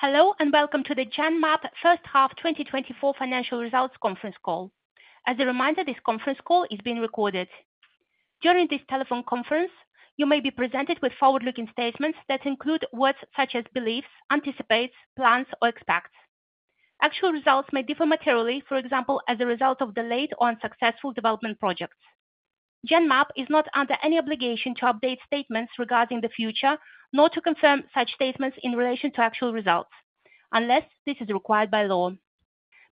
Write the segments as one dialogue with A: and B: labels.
A: Hello, and welcome to the Genmab First Half 2024 Financial Results Conference Call. As a reminder, this conference call is being recorded. During this telephone conference, you may be presented with forward-looking statements that include words such as beliefs, anticipates, plans, or expects. Actual results may differ materially, for example, as a result of delayed or unsuccessful development projects. Genmab is not under any obligation to update statements regarding the future, nor to confirm such statements in relation to actual results, unless this is required by law.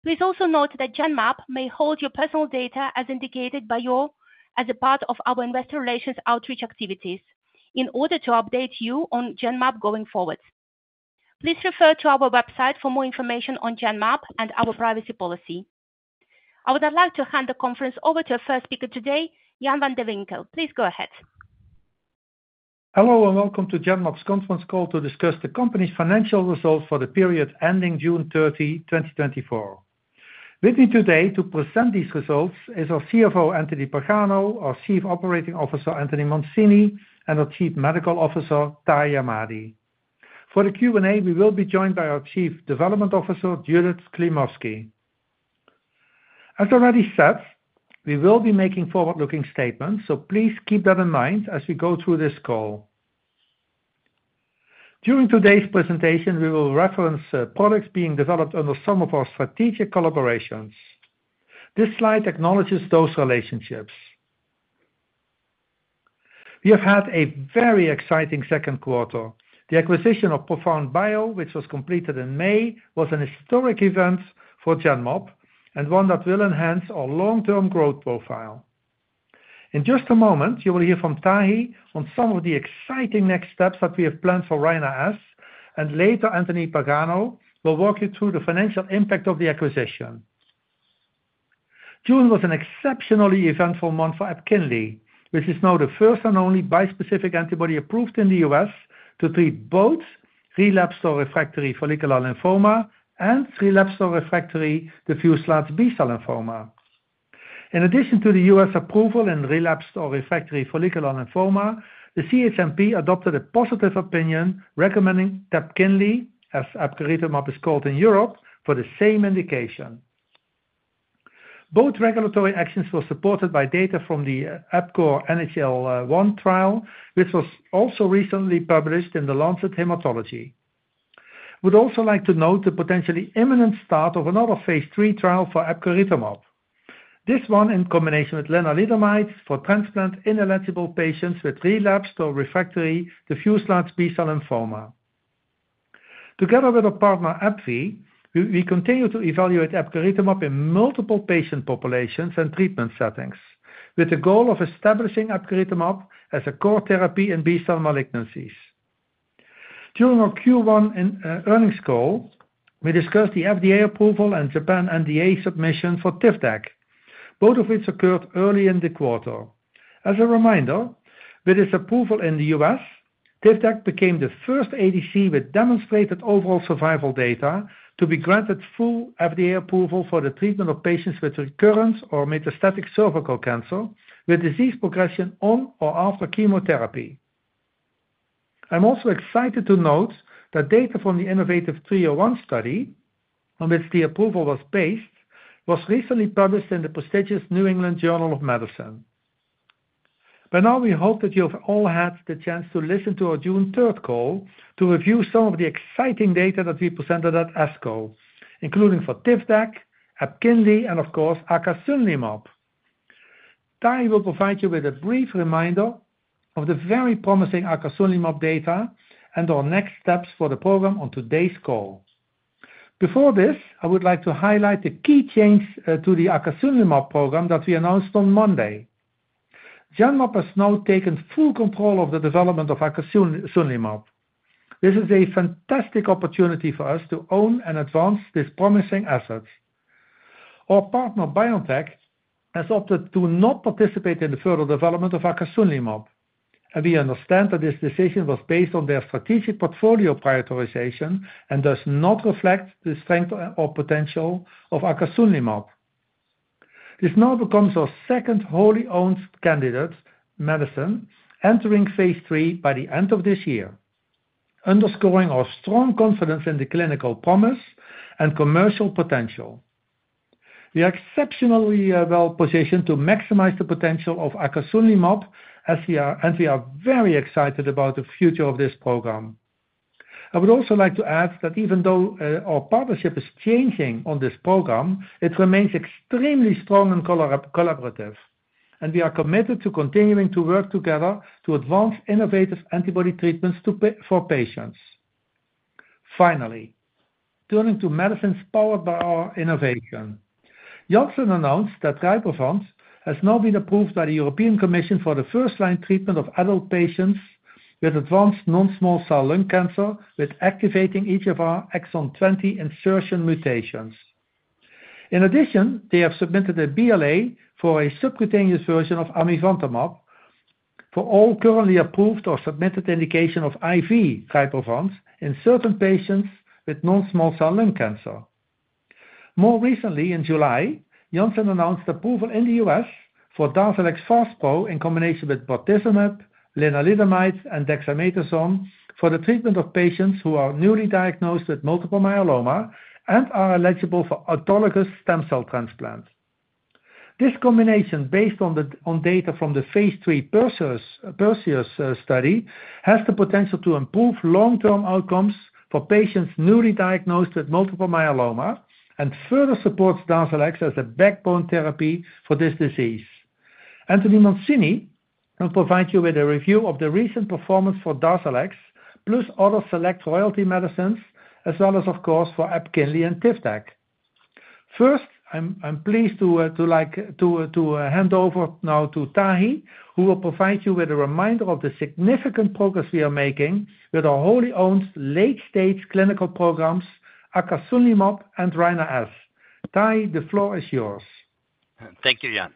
A: Please also note that Genmab may hold your personal data as indicated by you as a part of our investor relations outreach activities, in order to update you on Genmab going forward. Please refer to our website for more information on Genmab and our privacy policy. I would now like to hand the conference over to our first speaker today, Jan van de Winkel. Please go ahead.
B: Hello, and welcome to Genmab's conference call to discuss the company's financial results for the period ending June 30, 2024. With me today to present these results is our CFO, Anthony Pagano, our Chief Operating Officer, Anthony Mancini, and our Chief Medical Officer, Tahi Ahmadi. For the Q&A, we will be joined by our Chief Development Officer, Judith Klimovsky. As already said, we will be making forward-looking statements, so please keep that in mind as we go through this call. During today's presentation, we will reference products being developed under some of our strategic collaborations. This slide acknowledges those relationships. We have had a very exciting second quarter. The acquisition of ProfoundBio, which was completed in May, was an historic event for Genmab, and one that will enhance our long-term growth profile. In just a moment, you will hear from Tahi on some of the exciting next steps that we have planned for Rina-S, and later, Anthony Pagano will walk you through the financial impact of the acquisition. June was an exceptionally eventful month for Epkinly, which is now the first and only bispecific antibody approved in the U.S. to treat both relapsed or refractory follicular lymphoma and relapsed or refractory diffuse large B-cell lymphoma. In addition to the U.S. approval in relapsed or refractory follicular lymphoma, the CHMP adopted a positive opinion recommending Epkinly, as epcoritamab is called in Europe, for the same indication. Both regulatory actions were supported by data from the EPCORE NHL-1 trial, which was also recently published in the Lancet Hematology. We'd also like to note the potentially imminent start of another phase 3 trial for epcoritamab. This one in combination with lenalidomide for transplant-ineligible patients with relapsed or refractory diffuse large B-cell lymphoma. Together with our partner, AbbVie, we continue to evaluate epcoritamab in multiple patient populations and treatment settings, with the goal of establishing epcoritamab as a core therapy in B-cell malignancies. During our Q1 earnings call, we discussed the FDA approval and Japan NDA submission for Tivdak, both of which occurred early in the quarter. As a reminder, with its approval in the U.S., Tivdak became the first ADC with demonstrated overall survival data to be granted full FDA approval for the treatment of patients with recurrent or metastatic cervical cancer, with disease progression on or after chemotherapy. I'm also excited to note that data from the innovaTV 301 study, on which the approval was based, was recently published in the prestigious New England Journal of Medicine. By now, we hope that you've all had the chance to listen to our June third call to review some of the exciting data that we presented at ASCO, including for Tivdak, Epkinly, and of course, acasunlimab. Tahi will provide you with a brief reminder of the very promising acasunlimab data and our next steps for the program on today's call. Before this, I would like to highlight the key changes to the acasunlimab program that we announced on Monday. Genmab has now taken full control of the development of acasunlimab. This is a fantastic opportunity for us to own and advance this promising asset. Our partner, BioNTech, has opted to not participate in the further development of acasunlimab, and we understand that this decision was based on their strategic portfolio prioritization and does not reflect the strength or potential of acasunlimab. This now becomes our second wholly owned candidate medicine, entering phase 3 by the end of this year, underscoring our strong confidence in the clinical promise and commercial potential. We are exceptionally well positioned to maximize the potential of acasunlimab, as we are, and we are very excited about the future of this program. I would also like to add that even though our partnership is changing on this program, it remains extremely strong and collaborative, and we are committed to continuing to work together to advance innovative antibody treatments for patients. Finally, turning to medicines powered by our innovation. Janssen announced that Rybrevant has now been approved by the European Commission for the first-line treatment of adult patients with advanced non-small cell lung cancer, with activating EGFR exon 20 insertion mutations. In addition, they have submitted a BLA for a subcutaneous version of amivantamab for all currently approved or submitted indication of IV RYBREVANT in certain patients with non-small cell lung cancer. More recently, in July, Janssen announced approval in the U.S. for DARZALEX Faspro in combination with bortezomib, lenalidomide, and dexamethasone for the treatment of patients who are newly diagnosed with multiple myeloma and are eligible for autologous stem cell transplant. This combination, based on the data from the phase 3 PERSEUS study, has the potential to improve long-term outcomes for patients newly diagnosed with multiple myeloma, and further supports DARZALEX as a backbone therapy for this disease. Anthony Mancini will provide you with a review of the recent performance for DARZALEX, plus other select royalty medicines, as well as, of course, for Epkinly and Tivdak. First, I'm pleased to like hand over now to Tahi, who will provide you with a reminder of the significant progress we are making with our wholly owned late-stage clinical programs, acasunlimab and Rina-S. Tahi, the floor is yours.
C: Thank you, Jan.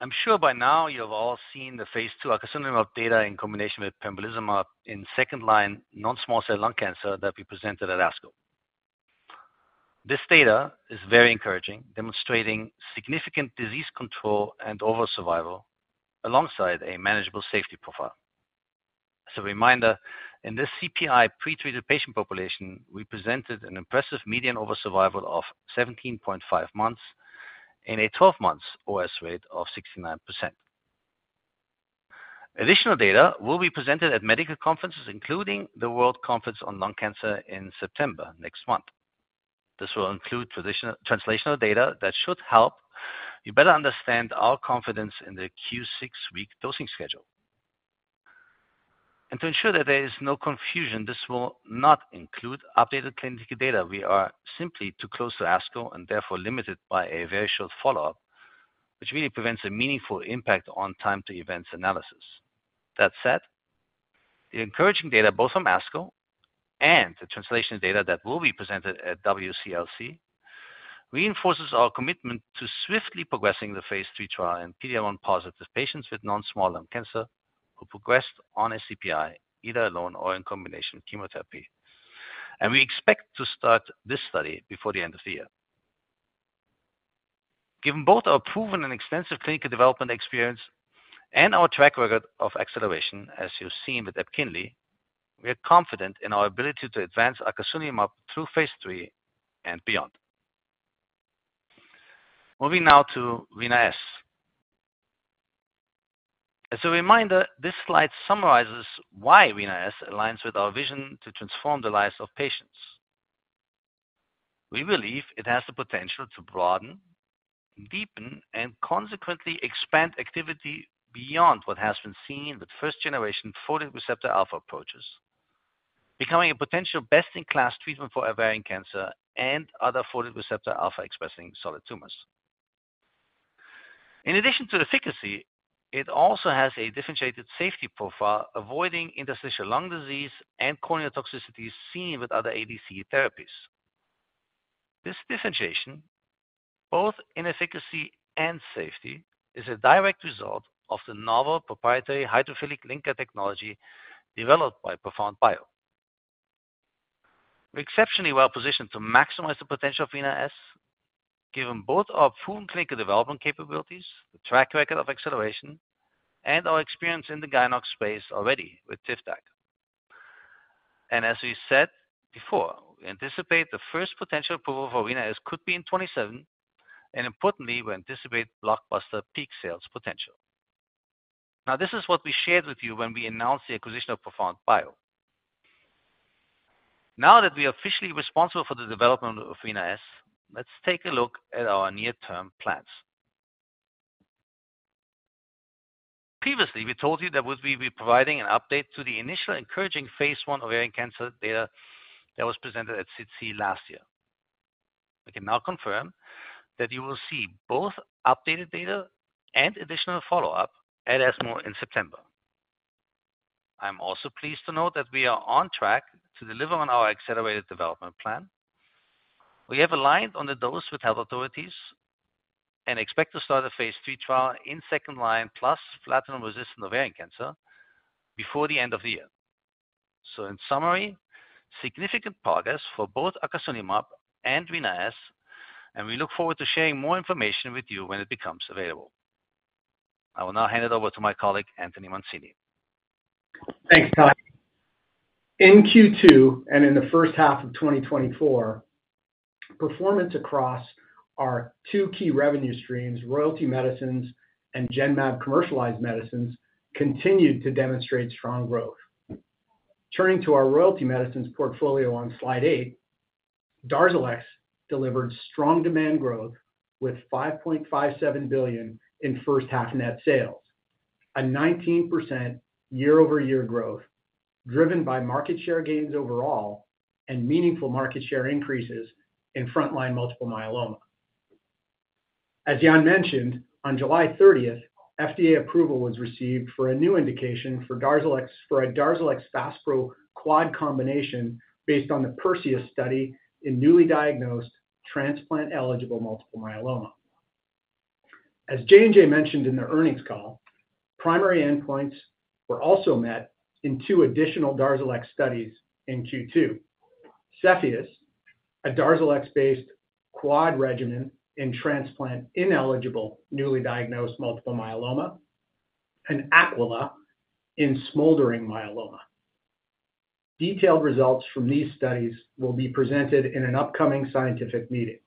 C: I'm sure by now you've all seen the phase 2 acasunlimab data in combination with pembrolizumab in second-line non-small cell lung cancer that we presented at ASCO. This data is very encouraging, demonstrating significant disease control and overall survival, alongside a manageable safety profile. As a reminder, in this CPI pre-treated patient population, we presented an impressive median overall survival of 17.5 months and a 12-month OS rate of 69%. Additional data will be presented at medical conferences, including the World Conference on Lung Cancer in September, next month. This will include traditional translational data that should help you better understand our confidence in the Q6-week dosing schedule. And to ensure that there is no confusion, this will not include updated clinical data. We are simply too close to ASCO, and therefore limited by a very short follow-up, which really prevents a meaningful impact on time to events analysis. That said, the encouraging data, both from ASCO and the translation data that will be presented at WCLC, reinforces our commitment to swiftly progressing the phase 3 trial in PD-L1-positive patients with non-small cell lung cancer, who progressed on a CPI, either alone or in combination with chemotherapy. And we expect to start this study before the end of the year. Given both our proven and extensive clinical development experience and our track record of acceleration, as you've seen with Epkinly, we are confident in our ability to advance acasunlimab through phase 3 and beyond. Moving now to Rina-S. As a reminder, this slide summarizes why Rina-S aligns with our vision to transform the lives of patients. We believe it has the potential to broaden, deepen, and consequently expand activity beyond what has been seen with first-generation folate receptor alpha approaches, becoming a potential best-in-class treatment for ovarian cancer and other folate receptor alpha-expressing solid tumors. In addition to the efficacy, it also has a differentiated safety profile, avoiding interstitial lung disease and corneal toxicity seen with other ADC therapies. This differentiation, both in efficacy and safety, is a direct result of the novel proprietary hydrophilic linker technology developed by ProfoundBio. We're exceptionally well positioned to maximize the potential of Rina-S, given both our full clinical development capabilities, the track record of acceleration, and our experience in the gynecology space already with Tivdak. As we said before, we anticipate the first potential approval for Rina-S could be in 2027, and importantly, we anticipate blockbuster peak sales potential. Now, this is what we shared with you when we announced the acquisition of ProfoundBio. Now that we are officially responsible for the development of Rina-S, let's take a look at our near-term plans. Previously, we told you that we'd be providing an update to the initial encouraging phase 1 ovarian cancer data that was presented at SITC last year. We can now confirm that you will see both updated data and additional follow-up at ESMO in September. I'm also pleased to note that we are on track to deliver on our accelerated development plan. We have aligned on the dose with health authorities and expect to start a phase 3 trial in second-line, plus platinum-resistant ovarian cancer before the end of the year. So in summary, significant progress for both acasunlimab and Rina-S, and we look forward to sharing more information with you when it becomes available. I will now hand it over to my colleague, Anthony Mancini.
D: Thanks, Tahi. In Q2, and in the first half of 2024, performance across our two key revenue streams, royalty medicines and Genmab commercialized medicines, continued to demonstrate strong growth. Turning to our royalty medicines portfolio on slide eight, DARZALEX delivered strong demand growth with $5.57 billion in first-half net sales, a 19% year-over-year growth, driven by market share gains overall and meaningful market share increases in frontline multiple myeloma. As Jan mentioned, on July 30, FDA approval was received for a new indication for DARZALEX- for a DARZALEX Faspro quad combination based on the Perseus study in newly diagnosed transplant-eligible multiple myeloma. As J&J mentioned in their earnings call, primary endpoints were also met in two additional DARZALEX studies in Q2. CEPHEUS, a DARZALEX-based quad regimen in transplant-ineligible, newly diagnosed multiple myeloma, and AQUILA in smoldering myeloma. Detailed results from these studies will be presented in an upcoming scientific meeting.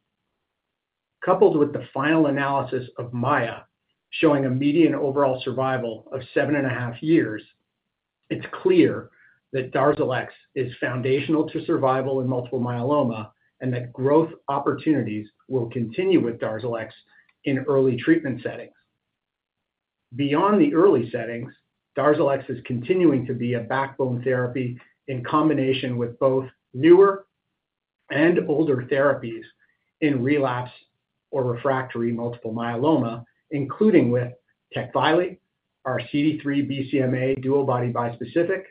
D: Coupled with the final analysis of MAIA, showing a median overall survival of 7.5 years, it's clear that DARZALEX is foundational to survival in multiple myeloma, and that growth opportunities will continue with DARZALEX in early treatment settings. Beyond the early settings, DARZALEX is continuing to be a backbone therapy in combination with both newer and older therapies in relapse or refractory multiple myeloma, including with TECVAYLI, our CD3 BCMA DuoBody bispecific,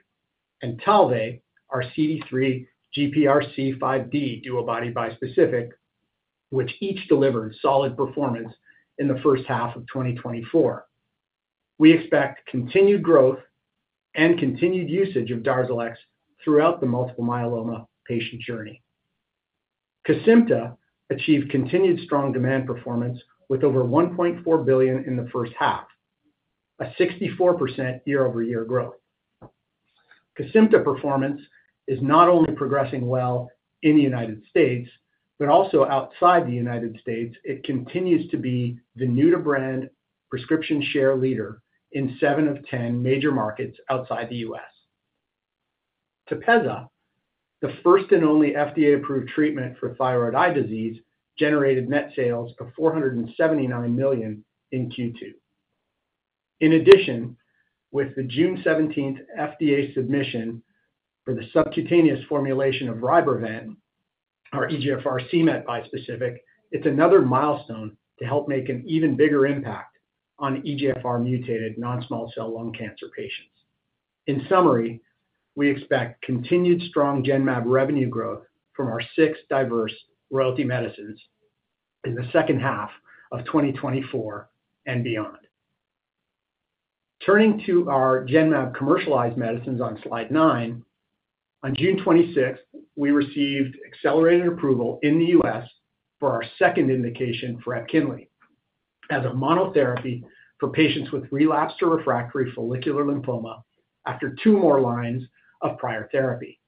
D: and TALVEY, our CD3 GPRC5D DuoBody bispecific, which each delivered solid performance in the first half of 2024. We expect continued growth and continued usage of DARZALEX throughout the multiple myeloma patient journey. Kesimpta achieved continued strong demand performance with over $1.4 billion in the first half, a 64% year-over-year growth. Kesimpta performance is not only progressing well in the United States, but also outside the United States, it continues to be the new-to-brand prescription share leader in 7 of 10 major markets outside the U.S. Tepezza, the first and only FDA-approved treatment for thyroid eye disease, generated net sales of $479 million in Q2. In addition, with the June seventeenth FDA submission for the subcutaneous formulation of Rybrevant, our EGFR c-Met bispecific, it's another milestone to help make an even bigger impact on EGFR-mutated non-small cell lung cancer patients. In summary, we expect continued strong Genmab revenue growth from our six diverse royalty medicines in the second half of 2024 and beyond. Turning to our Genmab commercialized medicines on slide nine. On June 26th, we received accelerated approval in the U.S. for our second indication for Epkinly as a monotherapy for patients with relapsed or refractory follicular lymphoma after two more lines of prior therapy.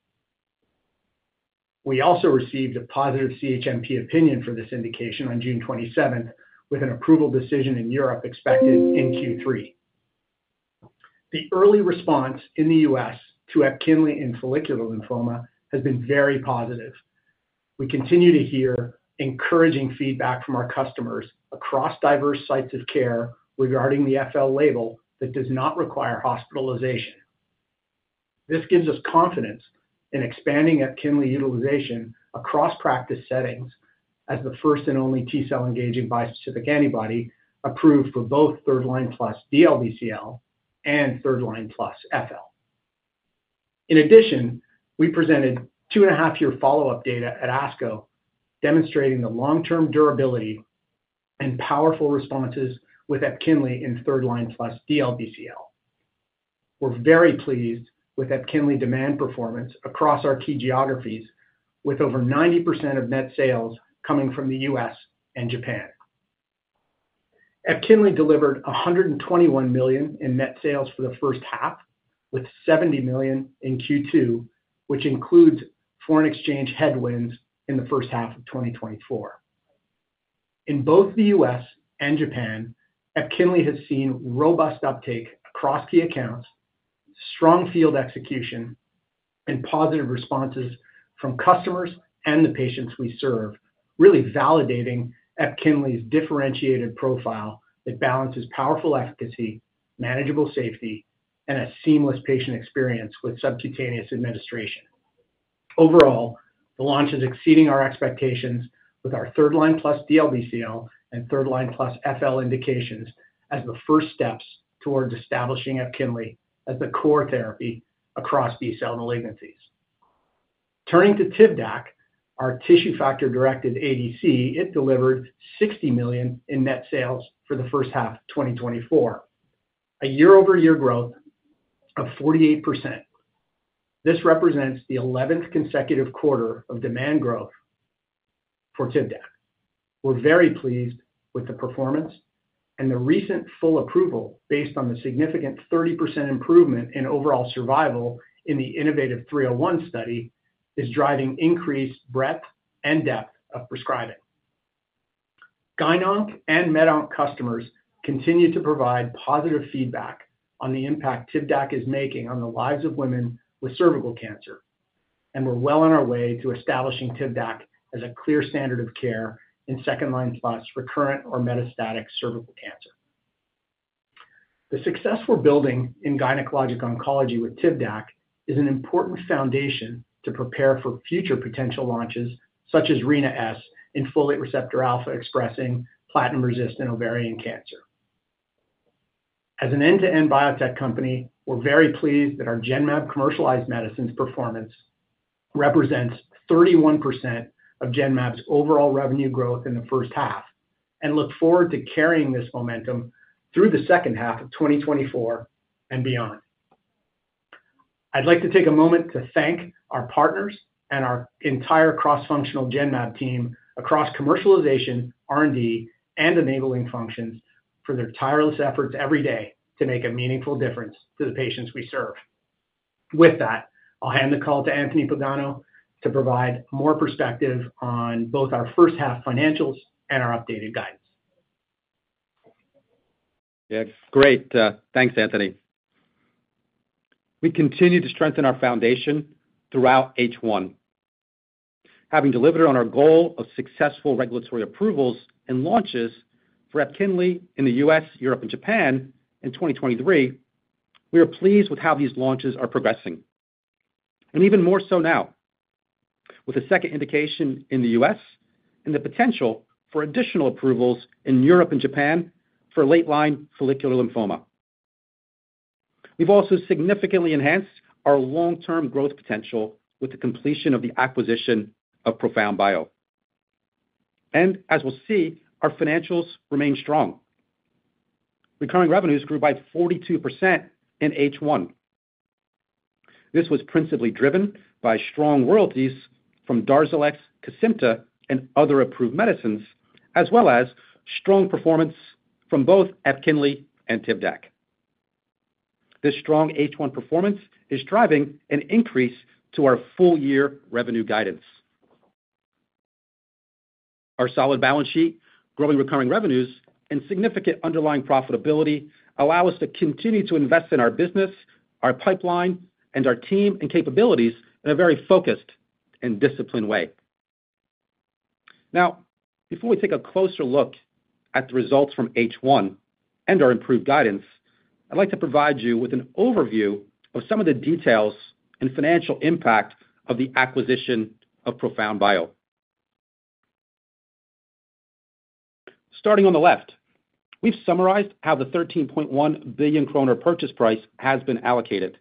D: We also received a positive CHMP opinion for this indication on June 27th, with an approval decision in Europe expected in Q3. The early response in the U.S. to Epkinly in follicular lymphoma has been very positive. We continue to hear encouraging feedback from our customers across diverse sites of care regarding the FL label that does not require hospitalization. This gives us confidence in expanding Epkinly utilization across practice settings as the first and only T-cell-engaging bispecific antibody approved for both third-line plus DLBCL and third-line plus FL. In addition, we presented 2.5-year follow-up data at ASCO, demonstrating the long-term durability and powerful responses with Epkinly in third-line plus DLBCL. We're very pleased with Epkinly demand performance across our key geographies, with over 90% of net sales coming from the U.S. and Japan. Epkinly delivered 121 million in net sales for the first half, with 70 million in Q2, which includes foreign exchange headwinds in the first half of 2024. In both the U.S. and Japan, Epkinly has seen robust uptake across key accounts, strong field execution, and positive responses from customers and the patients we serve, really validating Epkinly's differentiated profile that balances powerful efficacy, manageable safety, and a seamless patient experience with subcutaneous administration. Overall, the launch is exceeding our expectations with our third-line plus DLBCL and third-line plus FL indications as the first steps towards establishing Epkinly as the core therapy across these cell malignancies. Turning to Tivdak, our tissue factor-directed ADC, it delivered 60 million in net sales for the first half of 2024, a year-over-year growth of 48%. This represents the 11th consecutive quarter of demand growth for Tivdak. We're very pleased with the performance, and the recent full approval, based on the significant 30% improvement in overall survival in the innovaTV 301 study, is driving increased breadth and depth of prescribing. Gyn Onc and Med Onc customers continue to provide positive feedback on the impact Tivdak is making on the lives of women with cervical cancer, and we're well on our way to establishing Tivdak as a clear standard of care in second-line plus recurrent or metastatic cervical cancer. The successful building in gynecologic oncology with Tivdak is an important foundation to prepare for future potential launches, such as Rina-S, in folate receptor alpha expressing platinum-resistant ovarian cancer. As an end-to-end biotech company, we're very pleased that our Genmab commercialized medicines performance represents 31% of Genmab's overall revenue growth in the first half, and look forward to carrying this momentum through the second half of 2024 and beyond. I'd like to take a moment to thank our partners and our entire cross-functional Genmab team across commercialization, R&D, and enabling functions, for their tireless efforts every day to make a meaningful difference to the patients we serve. With that, I'll hand the call to Anthony Pagano to provide more perspective on both our first half financials and our updated guidance.
E: Yeah, great. Thanks, Anthony. We continued to strengthen our foundation throughout H1, having delivered on our goal of successful regulatory approvals and launches for Epkinly in the U.S., Europe, and Japan in 2023. We are pleased with how these launches are progressing, and even more so now, with a second indication in the U.S. and the potential for additional approvals in Europe and Japan for late-line follicular lymphoma. We've also significantly enhanced our long-term growth potential with the completion of the acquisition of ProfoundBio. And as we'll see, our financials remain strong. Recurring revenues grew by 42% in H1. This was principally driven by strong royalties from DARZALEX, Kesimpta, and other approved medicines, as well as strong performance from both Epkinly and Tivdak. This strong H1 performance is driving an increase to our full-year revenue guidance. Our solid balance sheet, growing recurring revenues, and significant underlying profitability allow us to continue to invest in our business, our pipeline, and our team and capabilities in a very focused and disciplined way. Now, before we take a closer look at the results from H1 and our improved guidance, I'd like to provide you with an overview of some of the details and financial impact of the acquisition of ProfoundBio. Starting on the left, we've summarized how the 13.1 billion kroner purchase price has been allocated.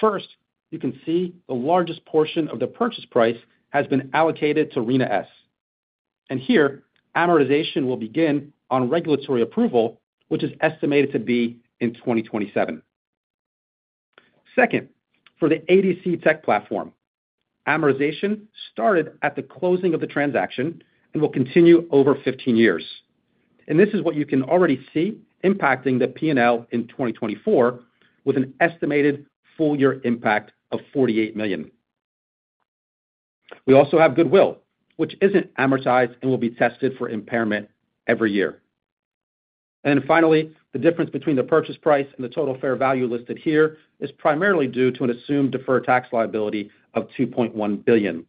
E: First, you can see the largest portion of the purchase price has been allocated to Rina-S. And here, amortization will begin on regulatory approval, which is estimated to be in 2027. Second, for the ADC tech platform, amortization started at the closing of the transaction and will continue over 15 years. This is what you can already see impacting the P&L in 2024, with an estimated full-year impact of $48 million. We also have goodwill, which isn't amortized and will be tested for impairment every year. Finally, the difference between the purchase price and the total fair value listed here is primarily due to an assumed deferred tax liability of $2.1 billion.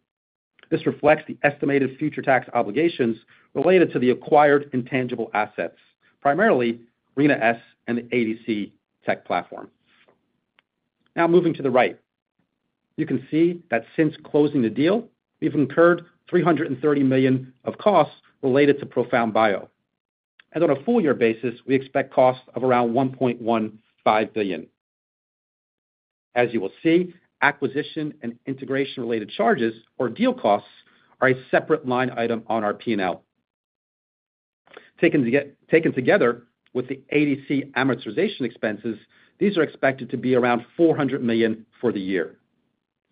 E: This reflects the estimated future tax obligations related to the acquired intangible assets, primarily Rina-S and the ADC tech platform. Now, moving to the right, you can see that since closing the deal, we've incurred $330 million of costs related to ProfoundBio. On a full year basis, we expect costs of around $1.15 billion. As you will see, acquisition and integration-related charges or deal costs are a separate line item on our P&L. Taken together with the ADC amortization expenses, these are expected to be around 400 million for the year.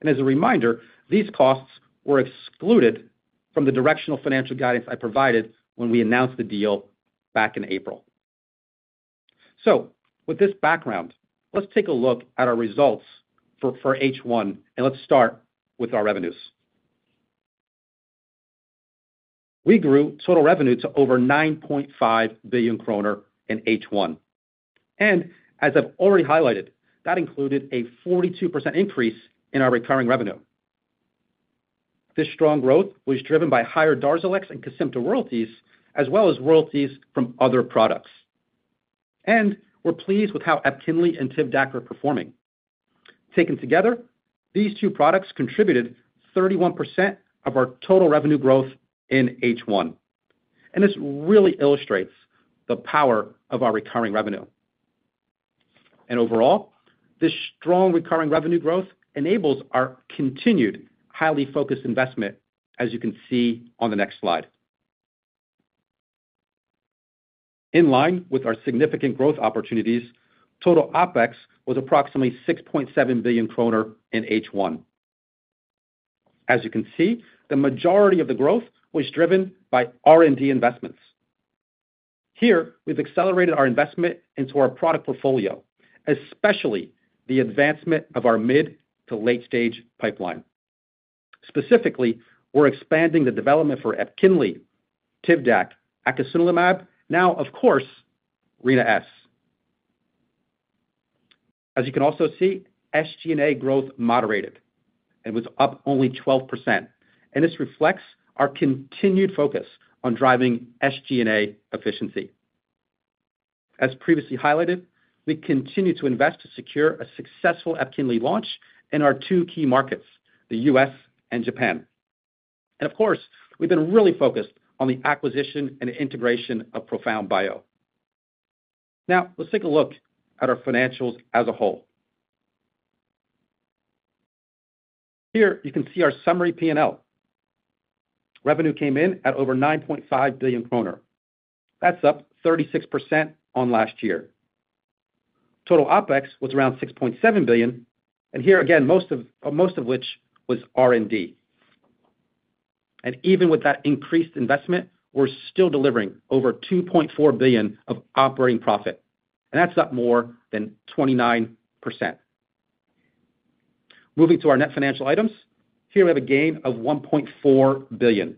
E: And as a reminder, these costs were excluded from the directional financial guidance I provided when we announced the deal back in April. So with this background, let's take a look at our results for H1, and let's start with our revenues. We grew total revenue to over 9.5 billion kroner in H1, and as I've already highlighted, that included a 42% increase in our recurring revenue. This strong growth was driven by higher DARZALEX and Kesimpta royalties, as well as royalties from other products. And we're pleased with how Epkinly and Tivdak are performing. Taken together, these two products contributed 31% of our total revenue growth in H1, and this really illustrates the power of our recurring revenue. Overall, this strong recurring revenue growth enables our continued highly focused investment, as you can see on the next slide. In line with our significant growth opportunities, total OpEx was approximately 6.7 billion kroner in H1. As you can see, the majority of the growth was driven by R&D investments. Here, we've accelerated our investment into our product portfolio, especially the advancement of our mid- to late-stage pipeline. Specifically, we're expanding the development for Epkinly, Tivdak, acasunlimab, now, of course, Rina-S. As you can also see, SG&A growth moderated and was up only 12%, and this reflects our continued focus on driving SG&A efficiency. As previously highlighted, we continue to invest to secure a successful Epkinly launch in our two key markets, the U.S. and Japan. Of course, we've been really focused on the acquisition and integration of ProfoundBio. Now, let's take a look at our financials as a whole. Here, you can see our summary P&L. Revenue came in at over 9.5 billion kroner. That's up 36% on last year. Total OpEx was around 6.7 billion, and here again, most of, most of which was R&D. And even with that increased investment, we're still delivering over 2.4 billion of operating profit, and that's up more than 29%. Moving to our net financial items, here we have a gain of 1.4 billion.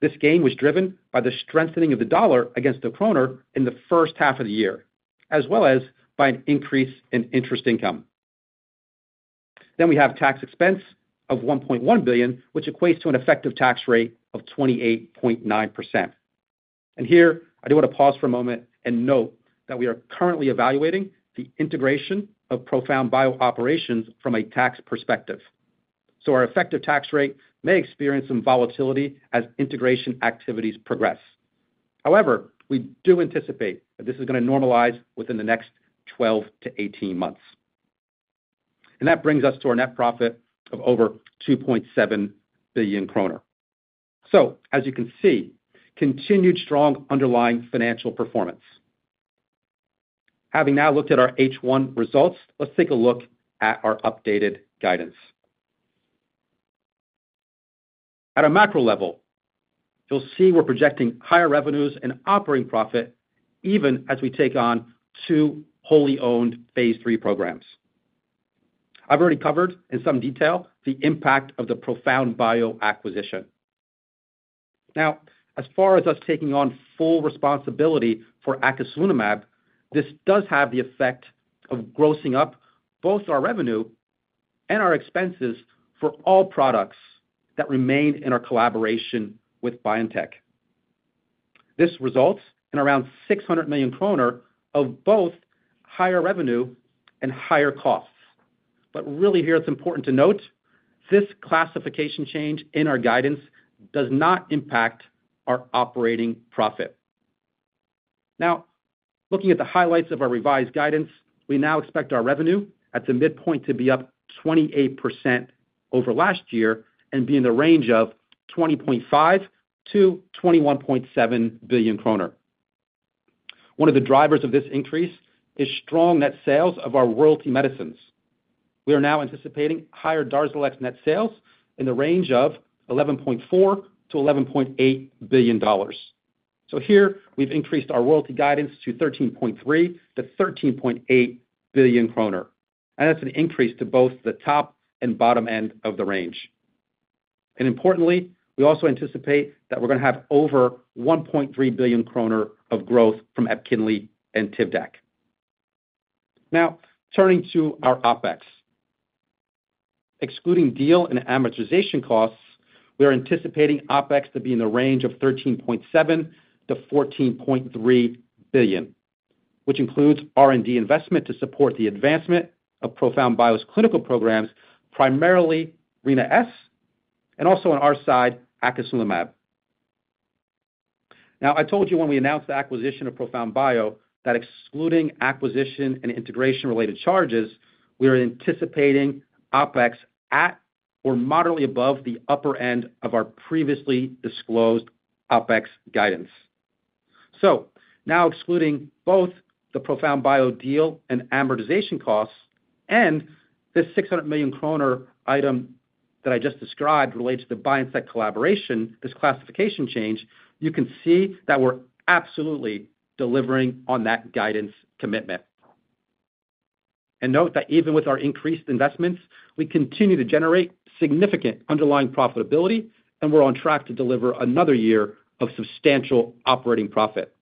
E: This gain was driven by the strengthening of the dollar against the kroner in the first half of the year, as well as by an increase in interest income. Then we have tax expense of 1.1 billion, which equates to an effective tax rate of 28.9%. Here I do want to pause for a moment and note that we are currently evaluating the integration of ProfoundBio operations from a tax perspective. Our effective tax rate may experience some volatility as integration activities progress. However, we do anticipate that this is gonna normalize within the next 12 to 18 months. And that brings us to our net profit of over 2.7 billion kroner. So as you can see, continued strong underlying financial performance. Having now looked at our H1 results, let's take a look at our updated guidance. At a macro level, you'll see we're projecting higher revenues and operating profit even as we take on two wholly owned phase 3 programs. I've already covered, in some detail, the impact of the ProfoundBio acquisition. Now, as far as us taking on full responsibility for acasunlimab, this does have the effect of grossing up both our revenue and our expenses for all products that remained in our collaboration with BioNTech. This results in around 600 million kroner of both higher revenue and higher costs. But really here, it's important to note, this classification change in our guidance does not impact our operating profit. Now, looking at the highlights of our revised guidance, we now expect our revenue at the midpoint to be up 28% over last year and be in the range of 20.5 billion-21.7 billion kroner. One of the drivers of this increase is strong net sales of our royalty medicines. We are now anticipating higher DARZALEX net sales in the range of $11.4 billion-$11.8 billion. So here we've increased our royalty guidance to 13.3 billion-13.8 billion kroner, and that's an increase to both the top and bottom end of the range. Importantly, we also anticipate that we're gonna have over 1.3 billion kroner of growth from Epkinly and Tivdak. Now, turning to our OpEx. Excluding deal and amortization costs, we are anticipating OpEx to be in the range of 13.7 billion-14.3 billion, which includes R&D investment to support the advancement of ProfoundBio's clinical programs, primarily Rina-S, and also on our side, acasunlimab. Now, I told you when we announced the acquisition of ProfoundBio, that excluding acquisition and integration-related charges, we are anticipating OpEx at or moderately above the upper end of our previously disclosed OpEx guidance. So now excluding both the ProfoundBio deal and amortization costs, and this 600 million kroner item that I just described relates to the BioNTech collaboration, this classification change, you can see that we're absolutely delivering on that guidance commitment. And note that even with our increased investments, we continue to generate significant underlying profitability, and we're on track to deliver another year of substantial operating profit.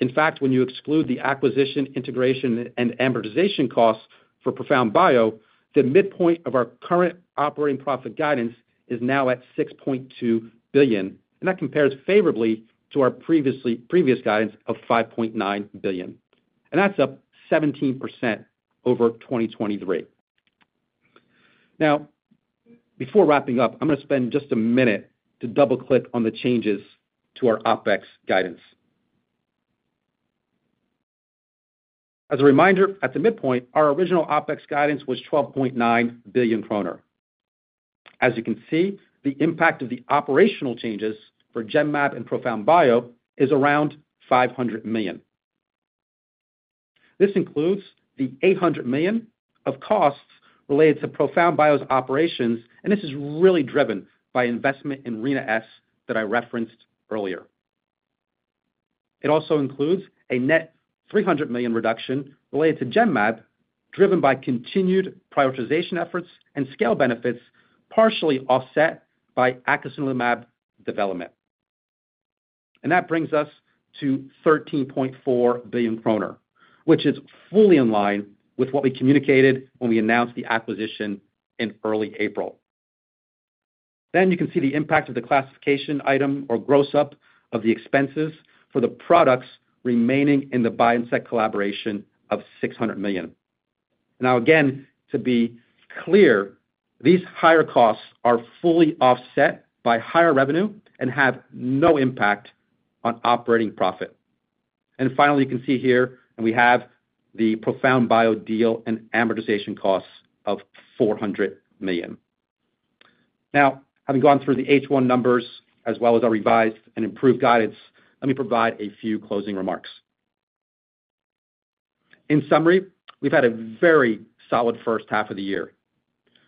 E: In fact, when you exclude the acquisition, integration, and amortization costs for ProfoundBio, the midpoint of our current operating profit guidance is now at 6.2 billion, and that compares favorably to our previous guidance of 5.9 billion, and that's up 17% over 2023. Now, before wrapping up, I'm gonna spend just a minute to double-click on the changes to our OpEx guidance. As a reminder, at the midpoint, our original OpEx guidance was 12.9 billion kroner. As you can see, the impact of the operational changes for Genmab and ProfoundBio is around 500 million. This includes the 800 million of costs related to ProfoundBio's operations, and this is really driven by investment in Rina-S that I referenced earlier. It also includes a net 300 million reduction related to Genmab, driven by continued prioritization efforts and scale benefits, partially offset by acasunlimab development. And that brings us to 13.4 billion kroner, which is fully in line with what we communicated when we announced the acquisition in early April. Then you can see the impact of the classification item or gross up of the expenses for the products remaining in the BioNTech collaboration of 600 million. Now, again, to be clear, these higher costs are fully offset by higher revenue and have no impact on operating profit. Finally, you can see here, and we have the ProfoundBio deal and amortization costs of $400 million. Now, having gone through the H1 numbers as well as our revised and improved guidance, let me provide a few closing remarks. In summary, we've had a very solid first half of the year.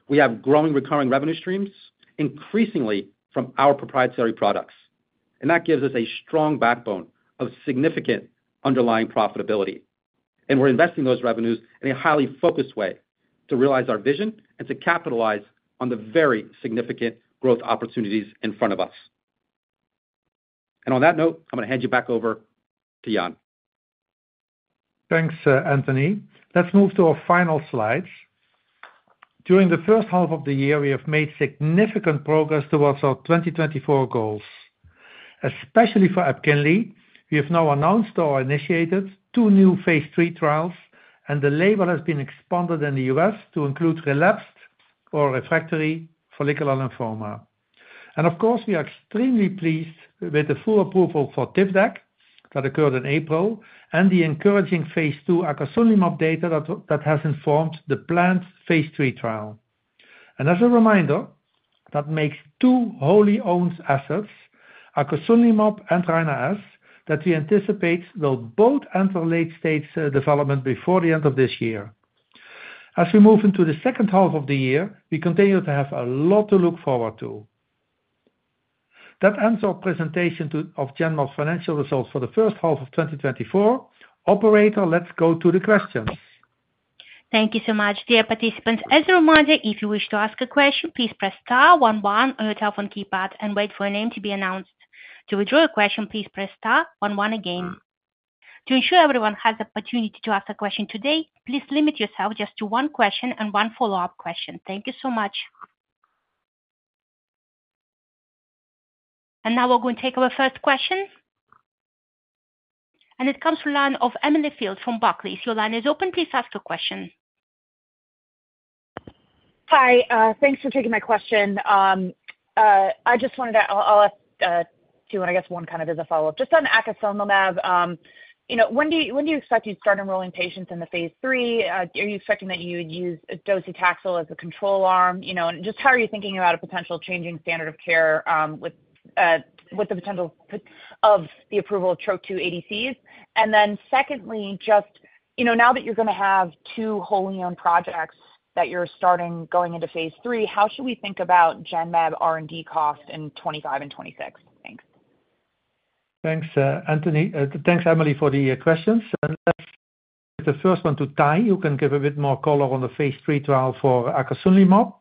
E: We have growing recurring revenue streams, increasingly from our proprietary products, and that gives us a strong backbone of significant underlying profitability. We're investing those revenues in a highly focused way to realize our vision and to capitalize on the very significant growth opportunities in front of us. On that note, I'm going to hand you back over to Jan.
B: Thanks, Anthony. Let's move to our final slides. During the first half of the year, we have made significant progress towards our 2024 goals. Especially for Epkinly, we have now announced or initiated two new phase 3 trials, and the label has been expanded in the U.S. to include relapsed or refractory follicular lymphoma. Of course, we are extremely pleased with the full approval for Tivdak that occurred in April, and the encouraging phase 2 acasunlimab data that has informed the planned phase 3 trial. As a reminder, that makes two wholly owned assets, acasunlimab and Rina-S, that we anticipate will both enter late stage development before the end of this year. As we move into the second half of the year, we continue to have a lot to look forward to. That ends our presentation of Genmab's financial results for the first half of 2024. Operator, let's go to the questions.
A: Thank you so much. Dear participants, as a reminder, if you wish to ask a question, please press star one one on your telephone keypad and wait for your name to be announced. To withdraw your question, please press star one one again. To ensure everyone has the opportunity to ask a question today, please limit yourself just to one question and one follow-up question. Thank you so much. And now we're going to take our first question. And it comes from the line of Emily Field from Barclays. Your line is open. Please ask your question.
F: Hi, thanks for taking my question. I'll ask two, and I guess one kind of as a follow-up. Just on acasunlimab, you know, when do you expect to start enrolling patients in the phase three? Are you expecting that you would use docetaxel as a control arm? You know, and just how are you thinking about a potential changing standard of care, with the potential approval of TROP2 ADCs? And then secondly, just, you know, now that you're going to have two wholly owned projects that you're starting going into phase three, how should we think about Genmab R&D cost in 2025 and 2026? Thanks.
B: Thanks, Anthony. Thanks, Emily, for the questions. The first one to Tahi, you can give a bit more color on the phase 3 trial for acasunlimab,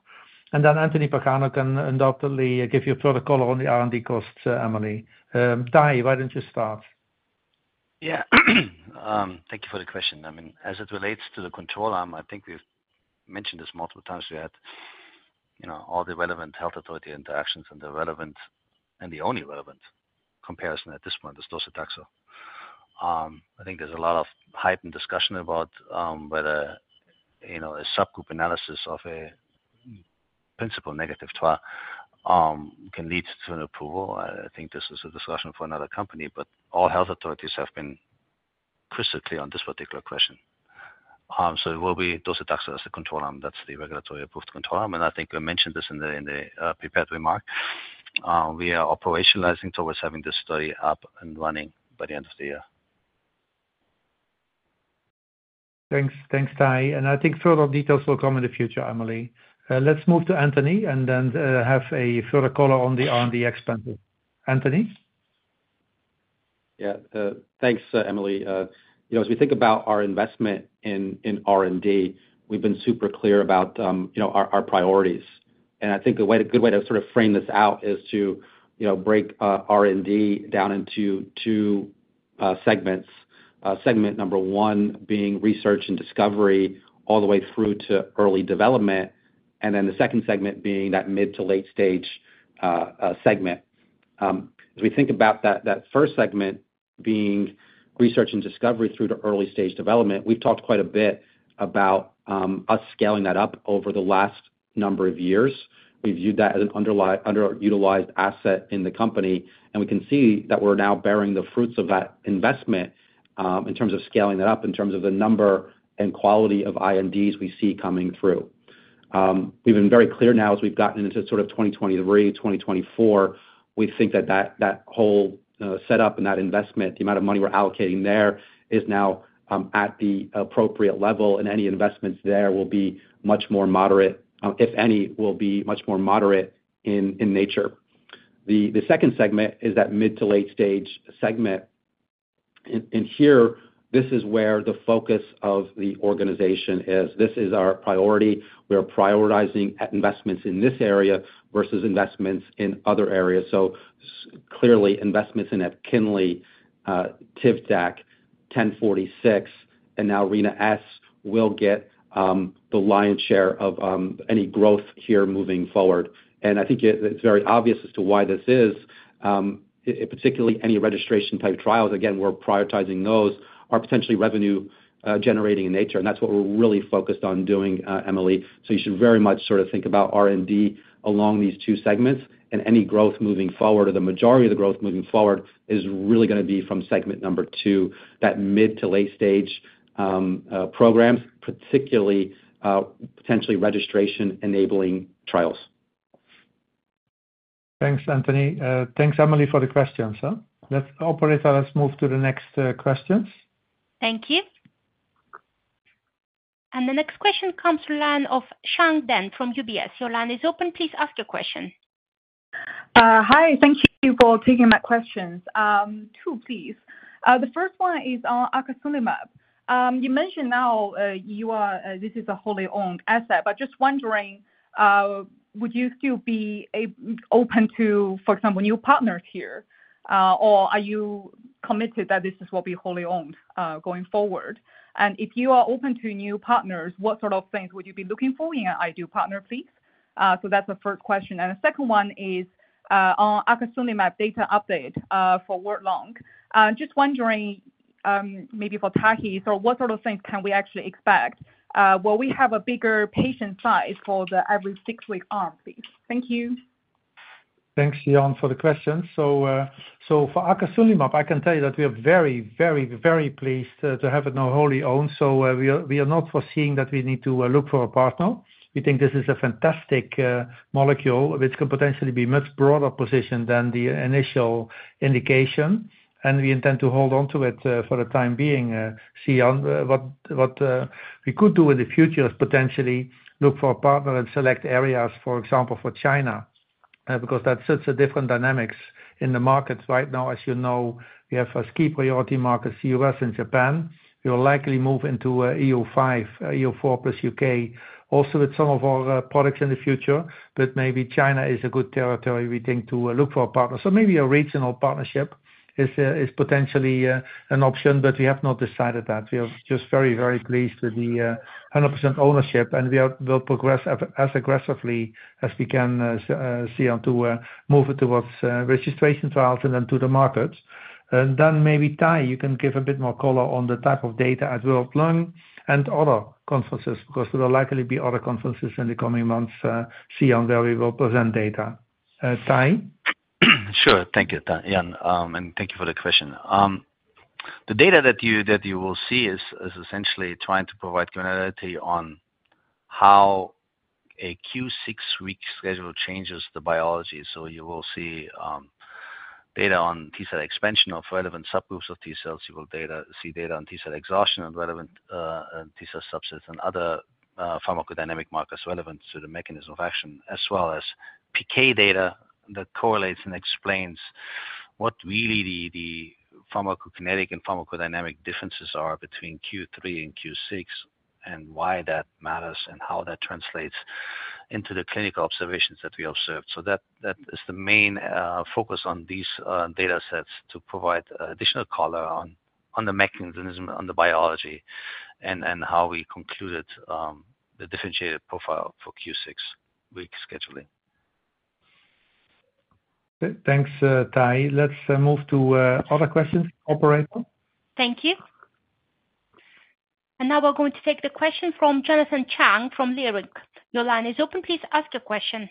B: and then Anthony Pagano can undoubtedly give you further color on the R&D costs, Emily. Tahi, why don't you start?
C: Yeah. Thank you for the question. I mean, as it relates to the control arm, I think we've mentioned this multiple times, we had, you know, all the relevant health authority interactions and the relevant, and the only relevant comparison at this point is docetaxel. I think there's a lot of heightened discussion about whether, you know, a subgroup analysis of a principle negative trial can lead to an approval. I think this is a discussion for another company, but all health authorities have been crystal clear on this particular question. So it will be docetaxel as the control arm. That's the regulatory approved control arm, and I think we mentioned this in the prepared remark. We are operationalizing towards having this study up and running by the end of the year.
B: Thanks. Thanks, Tahi, and I think further details will come in the future, Emily. Let's move to Anthony and then have a further color on the R&D expenses. Anthony?
E: Yeah, thanks, Emily. You know, as we think about our investment in R&D, we've been super clear about, you know, our priorities. I think the way to- a good way to sort of frame this out is to, you know, break R&D down into two segments. Segment number one being research and discovery, all the way through to early development, and then the second segment being that mid to late stage segment. As we think about that, that first segment being research and discovery through to early stage development, we've talked quite a bit about us scaling that up over the last number of years. We viewed that as an underutilized asset in the company, and we can see that we're now bearing the fruits of that investment in terms of scaling that up, in terms of the number and quality of INDs we see coming through. We've been very clear now as we've gotten into sort of 2023, 2024, we think that that whole setup and that investment, the amount of money we're allocating there, is now at the appropriate level, and any investments there will be much more moderate, if any, will be much more moderate in nature. The second segment is that mid to late stage segment. And here, this is where the focus of the organization is. This is our priority. We are prioritizing investments in this area versus investments in other areas. So. Clearly investments in Epkinly, Tivdak, 10-46, and now Rina-S will get the lion's share of any growth here moving forward. And I think it, it's very obvious as to why this is, in particular any registration-type trials, again, we're prioritizing those, are potentially revenue-generating in nature, and that's what we're really focused on doing, Emily. So you should very much sort of think about R&D along these two segments and any growth moving forward, or the majority of the growth moving forward, is really gonna be from segment number two, that mid- to late-stage programs, particularly potentially registration-enabling trials.
B: Thanks, Anthony. Thanks, Emily, for the questions, huh? Operator, let's move to the next questions.
A: Thank you. And the next question comes from the line of Xian Deng from UBS. Your line is open, please ask your question.
G: Hi, thank you for taking my questions. Two, please. The first one is on acasunlimab. You mentioned now, you are, this is a wholly owned asset, but just wondering, would you still be open to, for example, new partners here? Or are you committed that this is will be wholly owned, going forward? And if you are open to new partners, what sort of things would you be looking for in an ideal partner, please? So that's the first question. And the second one is, on acasunlimab data update, for World Lung. Just wondering, maybe for Tahi, so what sort of things can we actually expect? Will we have a bigger patient size for the every six-week arm, please? Thank you.
B: Thanks, Jan, for the question. So for acasunlimab, I can tell you that we are very, very, very pleased to have it now wholly owned. So we are not foreseeing that we need to look for a partner. We think this is a fantastic molecule, which could potentially be much broader position than the initial indication, and we intend to hold on to it for the time being, see how what we could do in the future is potentially look for a partner in select areas, for example, for China, because that's such a different dynamics in the markets right now. As you know, we have as key priority markets, U.S. and Japan. We'll likely move into EU5, EU4 plus U.K., also with some of our products in the future. But maybe China is a good territory, we think, to look for a partner. So maybe a regional partnership is potentially an option, but we have not decided that. We are just very, very pleased with the 100% ownership, and we'll progress as aggressively as we can soon to move it towards registration trials and then to the markets. And then maybe, Tahi, you can give a bit more color on the type of data as well, lung and other conferences, because there will likely be other conferences in the coming months soon where we will present data. Tahi?
C: Sure. Thank you, Jan, and thank you for the question. The data that you will see is essentially trying to provide clarity on how a Q6 week schedule changes the biology. So you will see data on T-cell expansion of relevant subgroups of T-cells. You will see data on T-cell exhaustion and relevant T-cell subsets and other pharmacodynamic markers relevant to the mechanism of action, as well as PK data that correlates and explains what really the pharmacokinetic and pharmacodynamic differences are between Q3 and Q6, and why that matters, and how that translates into the clinical observations that we observed. So that is the main focus on these data sets to provide additional color on the mechanism, on the biology, and how we concluded the differentiated profile for Q6 week scheduling.
B: Okay. Thanks, Ty. Let's move to other questions. Operator?
A: Thank you. Now we're going to take the question from Jonathan Chang from Leerink. Your line is open, please ask your question.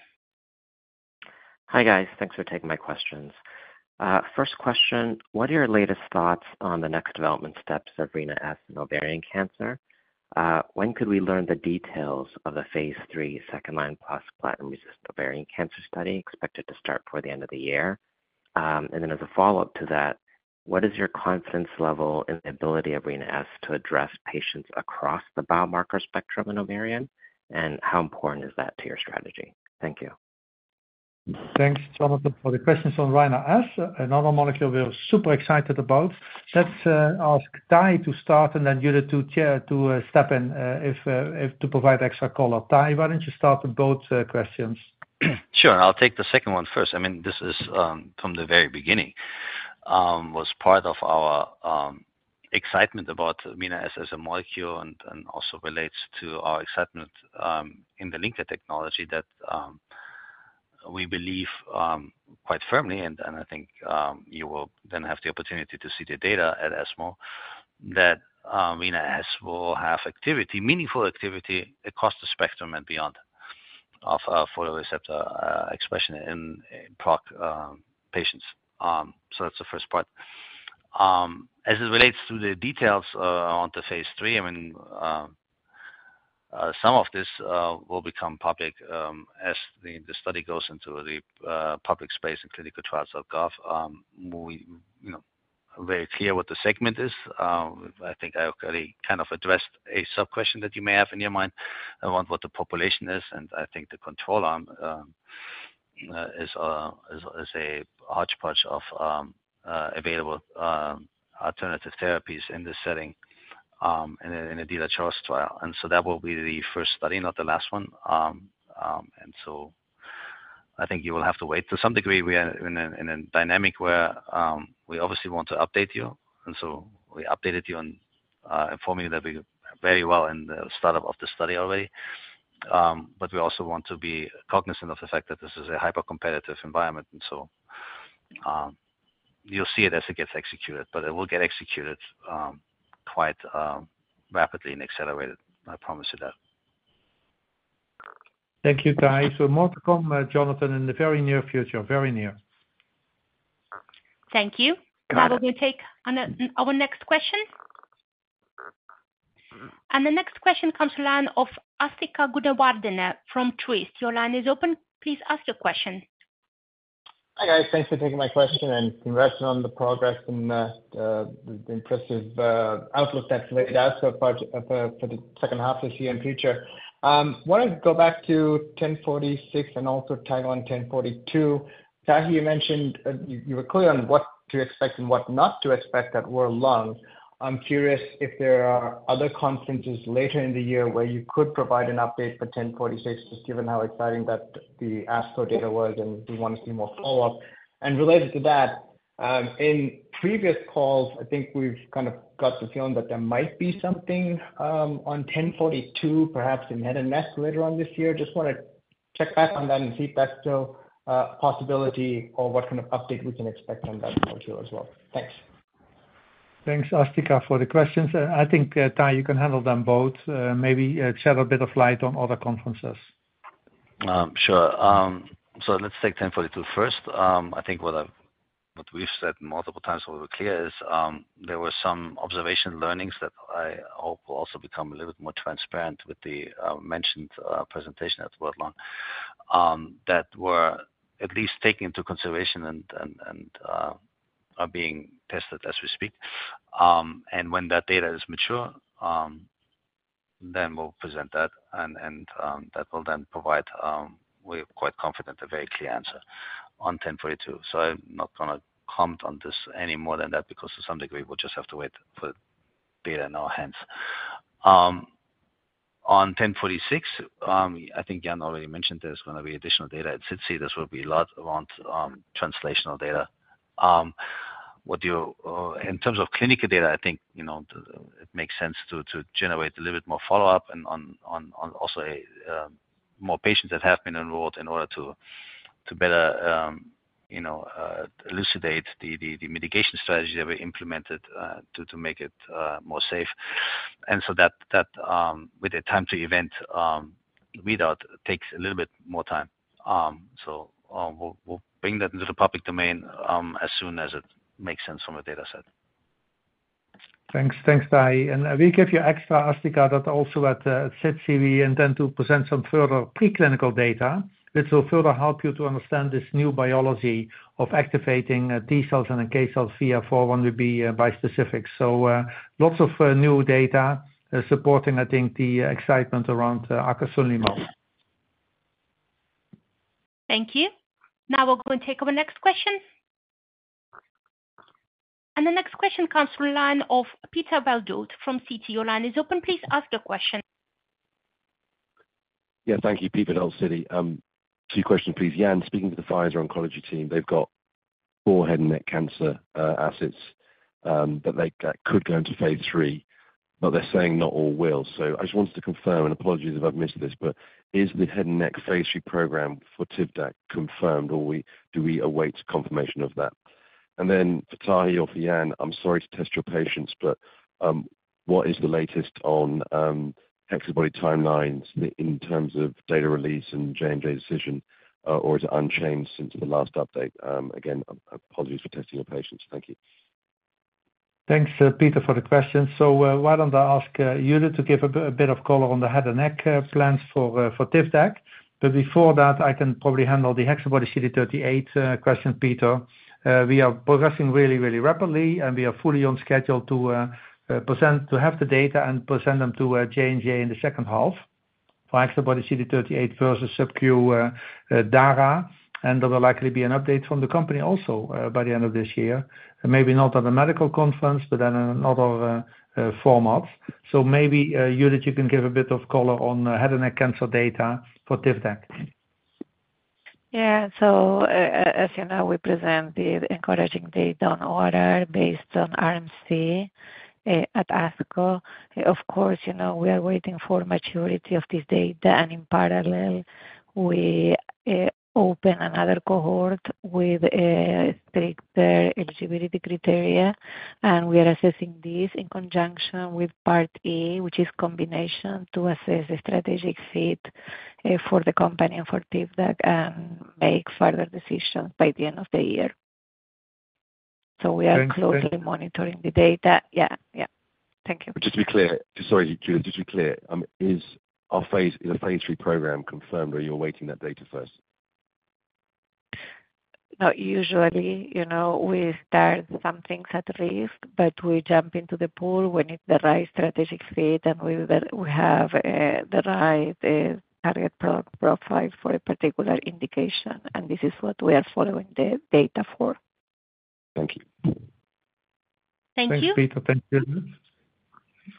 H: Hi, guys. Thanks for taking my questions. First question, what are your latest thoughts on the next development steps of Rina-S and ovarian cancer? When could we learn the details of the phase 3 second-line plus platinum-resistant ovarian cancer study, expected to start before the end of the year? And then as a follow-up to that, what is your confidence level in the ability of Rina-S to address patients across the biomarker spectrum in ovarian, and how important is that to your strategy? Thank you.
B: Thanks, Jonathan, for the questions on Rina-S, another molecule we are super excited about. Let's ask Ty to start and then Judith to step in if to provide extra color. Ty, why don't you start with both questions?
C: Sure, I'll take the second one first. I mean, this is from the very beginning was part of our excitement about Rina-S as a molecule and also relates to our excitement in the linker technology that we believe quite firmly, and I think you will then have the opportunity to see the data at ESMO, that Rina-S will have activity, meaningful activity across the spectrum and beyond of folate receptor expression in FRα-positive patients. So that's the first part. As it relates to the details on the phase 3, I mean, some of this will become public as the study goes into the public space and ClinicalTrials.gov, we you know very clear what the segment is. I think I already kind of addressed a sub-question that you may have in your mind about what the population is, and I think the control arm is a hodgepodge of available alternative therapies in this setting, in a physician's choice trial. And so that will be the first study, not the last one. And so I think you will have to wait. To some degree, we are in a dynamic where we obviously want to update you, and so we updated you on informing you that we are very well in the startup of the study already. But we also want to be cognizant of the fact that this is a hyper-competitive environment, and so, you'll see it as it gets executed, but it will get executed quite rapidly and accelerated, I promise you that.
B: Thank you, Tai. So more to come, Jonathan, in the very near future, very near.
A: Thank you. Now we will take on our next question. The next question comes from the line of Asthika Goonewardene from Truist. Your line is open. Please ask your question.
I: Hi, guys. Thanks for taking my question and congrats on the progress and the impressive outlook that's laid out so far for the second half of this year and future. Wanted to go back to GEN1046 and also tag on GEN1042. Tahi, you mentioned you were clear on what to expect and what not to expect at World Lung. I'm curious if there are other conferences later in the year where you could provide an update for GEN1046, just given how exciting the ASCO data was, and we want to see more follow-up. Related to that, in previous calls, I think we've kind of got the feeling that there might be something on GEN1042, perhaps in Head and Neck later on this year. Just want to check back on that and see if that's still a possibility or what kind of update we can expect on that module as well? Thanks.
B: Thanks, Asthika, for the questions. I think, Tahi, you can handle them both, maybe, shed a bit of light on other conferences.
C: Sure. So let's take 1042 first. I think what I've- what we've said multiple times, so we're clear, is there were some observation learnings that I hope will also become a little bit more transparent with the mentioned presentation at WCLC, that were at least taken into consideration and are being tested as we speak. And when that data is mature, then we'll present that, and that will then provide, we're quite confident, a very clear answer on 1042. So I'm not gonna comment on this any more than that, because to some degree, we'll just have to wait for data in our hands. On 1046, I think Jan already mentioned there's gonna be additional data at SITC. This will be a lot around translational data. In terms of clinical data, I think, you know, it makes sense to generate a little bit more follow-up and on also more patients that have been enrolled in order to better, you know, elucidate the mitigation strategies that we implemented to make it more safe. And so that with the time to event readout takes a little bit more time. So, we'll bring that into the public domain as soon as it makes sense from a data set.
B: Thanks. Thanks, Tahi, and we give you extra, Asthika, that also at SITC, we intend to present some further preclinical data, which will further help you to understand this new biology of activating T-cells and the K-cells via 4-1BB bispecific. So, lots of new data supporting, I think, the excitement around acasunlimab.
A: Thank you. Now we'll go and take our next question. The next question comes from the line of Peter Verdult from Citi. Your line is open. Please ask your question.
J: Yeah, thank you, Peter Verdult, Citi. Two questions, please. Jan, speaking to the Pfizer oncology team, they've got four head and neck cancer assets that they could go into phase three, but they're saying not all will. So I just wanted to confirm, and apologies if I've missed this, but is the head and neck phase three program for Tivdak confirmed, or we, do we await confirmation of that? And then for Tai or for Jan, I'm sorry to test your patience, but what is the latest on HexaBody timelines in terms of data release and J&J decision, or is it unchanged since the last update? Again, apologies for testing your patience. Thank you.
B: Thanks, Peter, for the question. So, why don't I ask Judith to give a bit of color on the head and neck plans for Tivdak? But before that, I can probably handle the HexaBody-CD38 question, Peter. We are progressing really, really rapidly, and we are fully on schedule to present, to have the data and present them to J&J in the second half. For HexaBody-CD38 versus subQ Dara, and there will likely be an update from the company also by the end of this year. Maybe not at a medical conference, but then another format. So maybe, Judith, you can give a bit of color on the head and neck cancer data for Tivdak.
K: Yeah. So as you know, we presented encouraging data on ORR based on IRC at ASCO. Of course, you know, we are waiting for maturity of this data, and in parallel, we open another cohort with a stricter eligibility criteria, and we are assessing this in conjunction with part A, which is combination to assess the strategic fit for the company and for Tivdak, and make further decisions by the end of the year. So we are-
B: Thanks.
K: closely monitoring the data. Yeah, yeah. Thank you.
J: Just to be clear, sorry, Judith, just to be clear, is our phase, is the phase 3 program confirmed, or are you awaiting that data first?
K: Not usually, you know. We start some things at risk, but we jump into the pool when it's the right strategic fit and we have the right target profile for a particular indication, and this is what we are following the data for.
J: Thank you.
B: Thanks, Peter. Thank you.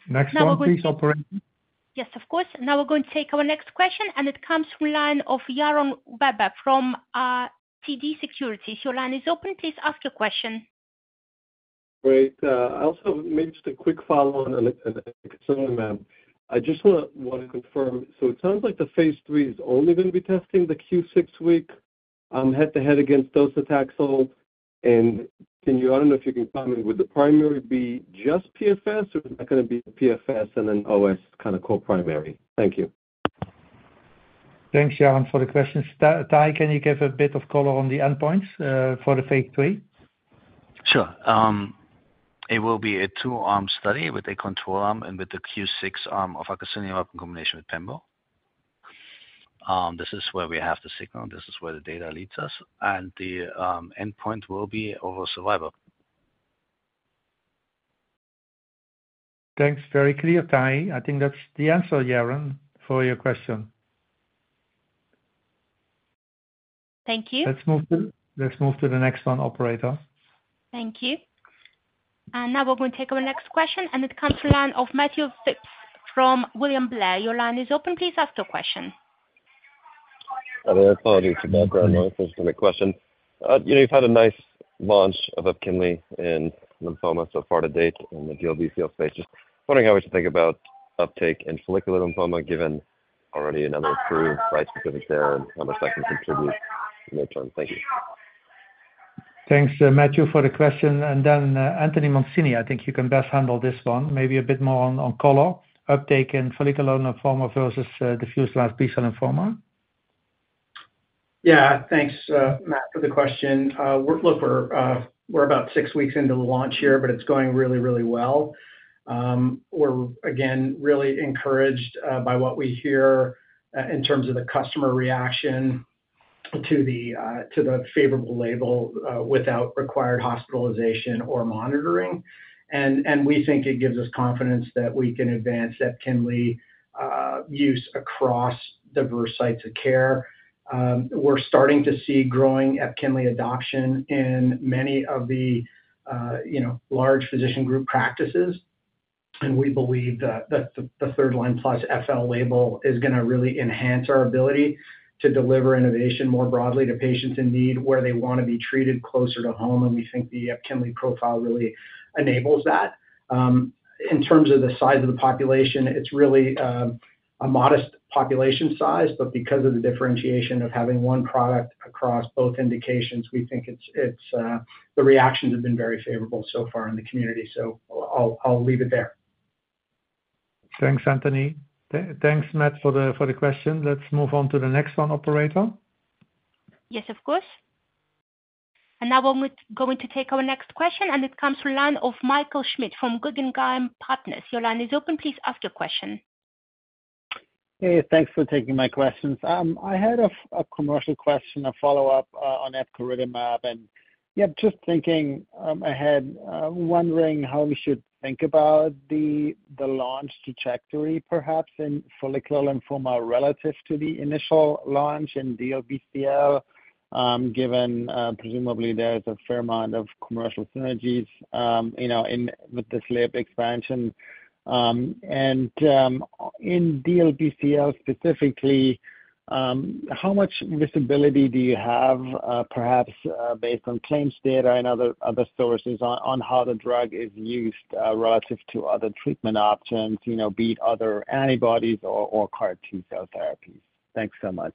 B: Next one, please, operator.
A: Yes, of course. Now we're going to take our next question, and it comes from line of Yaron Werber from TD Cowen. Your line is open. Please ask your question.
L: Great, I also maybe just a quick follow-on on acasunlimab, ma'am. I just wanna confirm. So it sounds like the phase 3 is only going to be testing the Q6 week head-to-head against docetaxel. Can you—I don't know if you can comment, would the primary be just PFS, or is it going to be PFS and then OS kind of co-primary? Thank you.
B: Thanks, Yaron, for the question. Tahi, can you give a bit of color on the endpoints for the phase 3?
C: Sure. It will be a two-arm study with a control arm and with the Q6 arm of acasunlimab in combination with pembro. This is where we have the signal. This is where the data leads us, and the endpoint will be overall survival.
B: Thanks, very clear, Tahi. I think that's the answer, Yaron, for your question.
A: Thank you.
B: Let's move to the next one, operator.
A: Thank you. Now we're going to take our next question, and it comes to the line of Matthew Phipps from William Blair. Your line is open. Please ask your question.
M: Hi, there. Apologies for background noise. Just my question. You know, you've had a nice launch of Epkinly and lymphoma so far to date in the DLBCL space. Just wondering how we should think about uptake and follicular lymphoma, given there's already another approved bispecific there and how much that can contribute mid-term. Thank you.
B: Thanks, Matthew, for the question. And then, Anthony Mancini, I think you can best handle this one. Maybe a bit more on color, uptake in follicular lymphoma versus diffuse large B-cell lymphoma.
D: Yeah. Thanks, Matt, for the question. Look, we're about six weeks into the launch here, but it's going really, really well. We're again really encouraged by what we hear in terms of the customer reaction to the favorable label without required hospitalization or monitoring. And we think it gives us confidence that we can advance Epkinly use across diverse sites of care. We're starting to see growing Epkinly adoption in many of the you know large physician group practices. And we believe that the third line plus FL label is going to really enhance our ability to deliver innovation more broadly to patients in need, where they want to be treated closer to home. And we think the Epkinly profile really enables that. In terms of the size of the population, it's really a modest population size, but because of the differentiation of having one product across both indications, we think it's the reactions have been very favorable so far in the community. So I'll leave it there.
B: Thanks, Anthony. Thanks, Matt, for the question. Let's move on to the next one, operator.
A: Yes, of course. And now we're going to take our next question, and it comes from line of Michael Schmidt from Guggenheim Securities. Your line is open. Please ask your question.
N: Hey, thanks for taking my questions. I had a commercial question, a follow-up on epcoritamab, and yeah, just thinking ahead, wondering how we should think about the launch trajectory, perhaps in follicular lymphoma relative to the initial launch in DLBCL, given, presumably there is a fair amount of commercial synergies, you know, in with this label expansion. And, in DLBCL specifically, how much visibility do you have, perhaps, based on claims data and other sources on how the drug is used, relative to other treatment options, you know, be it other antibodies or CAR T-cell therapies? Thanks so much.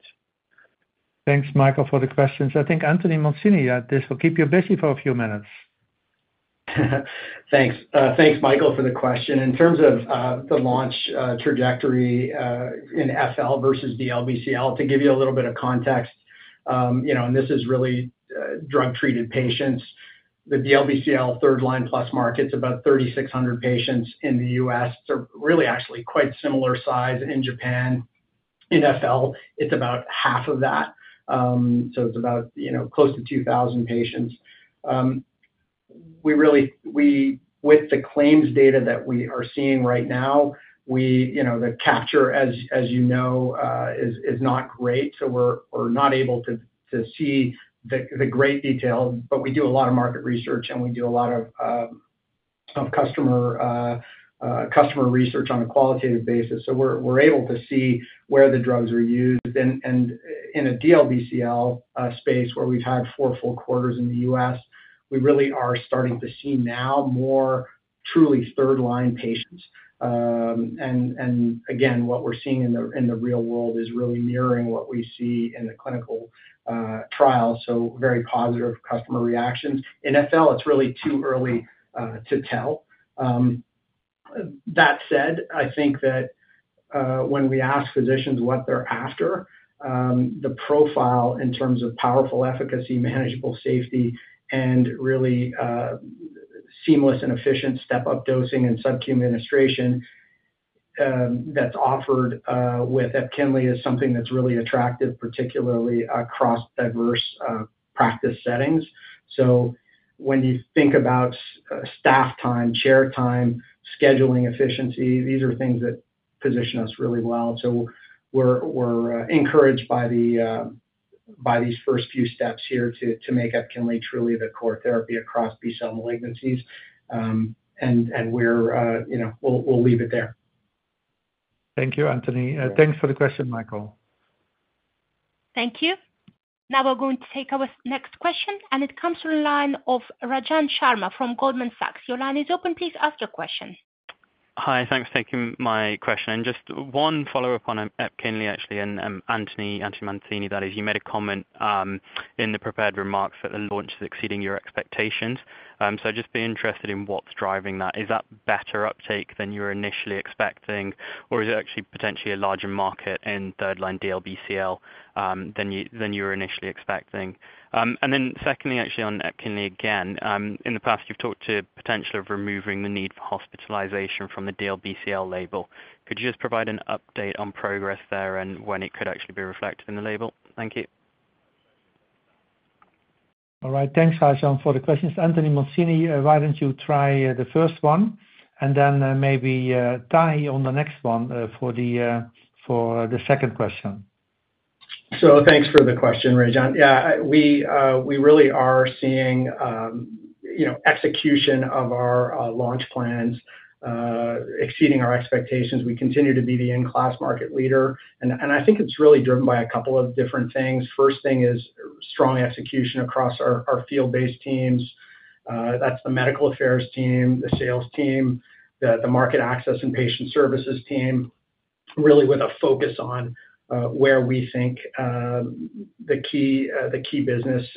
B: Thanks, Michael, for the questions. I think Anthony Mancini, this will keep you busy for a few minutes.
D: Thanks. Thanks, Michael, for the question. In terms of the launch trajectory in FL versus DLBCL, to give you a little bit of context, you know, and this is really drug-treated patients. The DLBCL third line plus market's about 3,600 patients in the U.S. They're really actually quite similar size in Japan. In FL, it's about half of that. So it's about, you know, close to 2,000 patients. We really, with the claims data that we are seeing right now, you know, the capture, as you know, is not great, so we're not able to see the great detail. But we do a lot of market research, and we do a lot of customer research on a qualitative basis. So we're able to see where the drugs are used. In a DLBCL space, where we've had four full quarters in the U.S., we really are starting to see now more truly third-line patients. What we're seeing in the real world is really mirroring what we see in the clinical trials, so very positive customer reactions. In FL, it's really too early to tell. That said, I think that when we ask physicians what they're after, the profile in terms of powerful efficacy, manageable safety, and really seamless and efficient step-up dosing and subq administration that's offered with Epkinly is something that's really attractive, particularly across diverse practice settings. So when you think about staff time, chair time, scheduling efficiency, these are things that position us really well. So we're encouraged by these first few steps here to make Epkinly truly the core therapy across B-cell malignancies. And we're, you know, we'll leave it there.
B: Thank you, Anthony. Thanks for the question, Michael.
A: Thank you. Now we're going to take our next question, and it comes from the line of Rajan Sharma from Goldman Sachs. Your line is open. Please ask your question.
O: Hi, thanks for taking my question. Just one follow-up on Epkinly, actually, and Anthony Mancini, that is. You made a comment in the prepared remarks that the launch is exceeding your expectations. So just be interested in what's driving that. Is that better uptake than you were initially expecting, or is it actually potentially a larger market in third line DLBCL than you were initially expecting? Then secondly, actually, on Epkinly again. In the past, you've talked to potential of removing the need for hospitalization from the DLBCL label. Could you just provide an update on progress there and when it could actually be reflected in the label? Thank you.
B: All right. Thanks, Rajan, for the questions. Anthony Mancini, why don't you try the first one, and then, maybe, Tahi on the next one, for the second question?
D: So thanks for the question, Rajan. Yeah, we really are seeing, you know, execution of our launch plans exceeding our expectations. We continue to be the in-class market leader, and I think it's really driven by a couple of different things. First thing is strong execution across our field-based teams. That's the medical affairs team, the sales team, the market access and patient services team, really with a focus on where we think the key business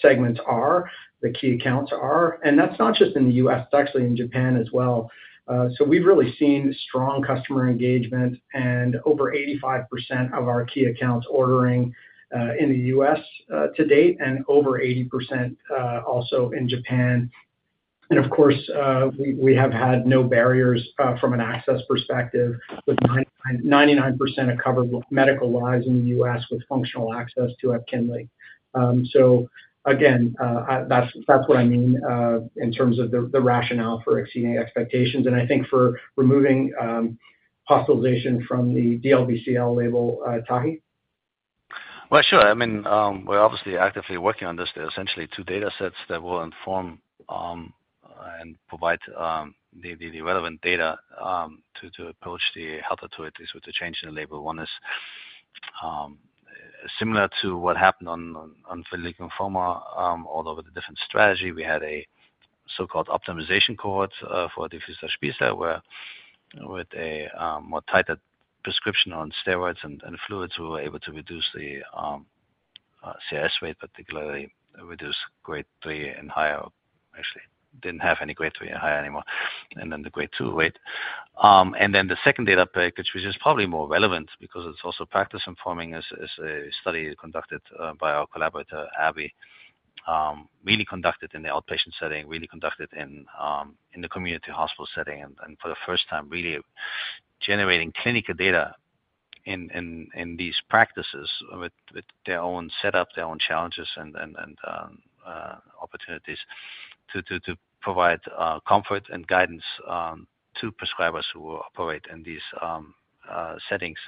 D: segments are, the key accounts are. And that's not just in the U.S., that's actually in Japan as well. So we've really seen strong customer engagement and over 85% of our key accounts ordering in the U.S. to date, and over 80% also in Japan. Of course, we have had no barriers from an access perspective, with 99% of covered medical lives in the U.S. with functional access to Epkinly. So again, that's what I mean in terms of the rationale for exceeding expectations, and I think for removing hospitalization from the DLBCL label, Tahi?
C: Well, sure. I mean, we're obviously actively working on this. There are essentially two data sets that will inform and provide the relevant data to approach the health authorities with the change in the label. One is similar to what happened on follicular lymphoma, although with a different strategy. We had a so-called optimization cohort for diffuse large B-cell, where with a more tighter prescription on steroids and fluids, we were able to reduce the CRS rate, particularly reduce Grade 3 and higher. Actually, didn't have any Grade 3 and higher anymore, and then the Grade 2 rate. And then the second data package, which is probably more relevant because it's also practice informing, is a study conducted by our collaborator, AbbVie. Really conducted in the outpatient setting, really conducted in the community hospital setting, and for the first time, really generating clinical data in these practices with their own setup, their own challenges and opportunities to provide comfort and guidance to prescribers who operate in these settings,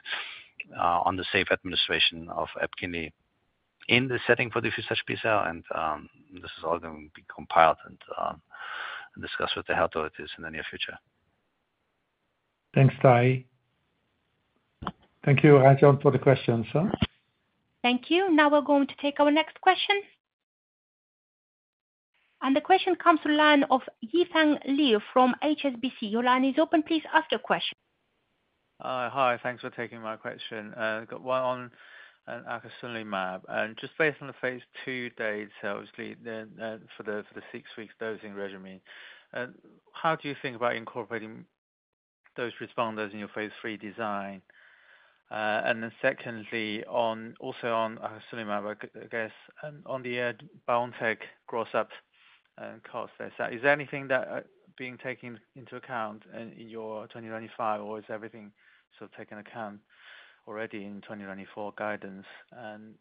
C: on the safe administration of Epkinly in the setting for diffuse large B-cell. And this is all going to be compiled and discussed with the authorities in the near future.
B: Thanks, Tahi Thank you, Rajan, for the questions, huh?
A: Thank you. Now we're going to take our next question. The question comes from the line of Yifeng Liu from HSBC. Your line is open. Please ask your question.
P: Hi, thanks for taking my question. Got one on acasunlimab. And just based on the phase 2 data, so obviously, for the 6-week dosing regimen, how do you think about incorporating those responders in your phase 3 design? And then secondly, on also on acasunlimab, I guess, on the BioNTech breakup cost, is there anything that being taken into account in your 2025, or is everything sort of taken account already in 2024 guidance? And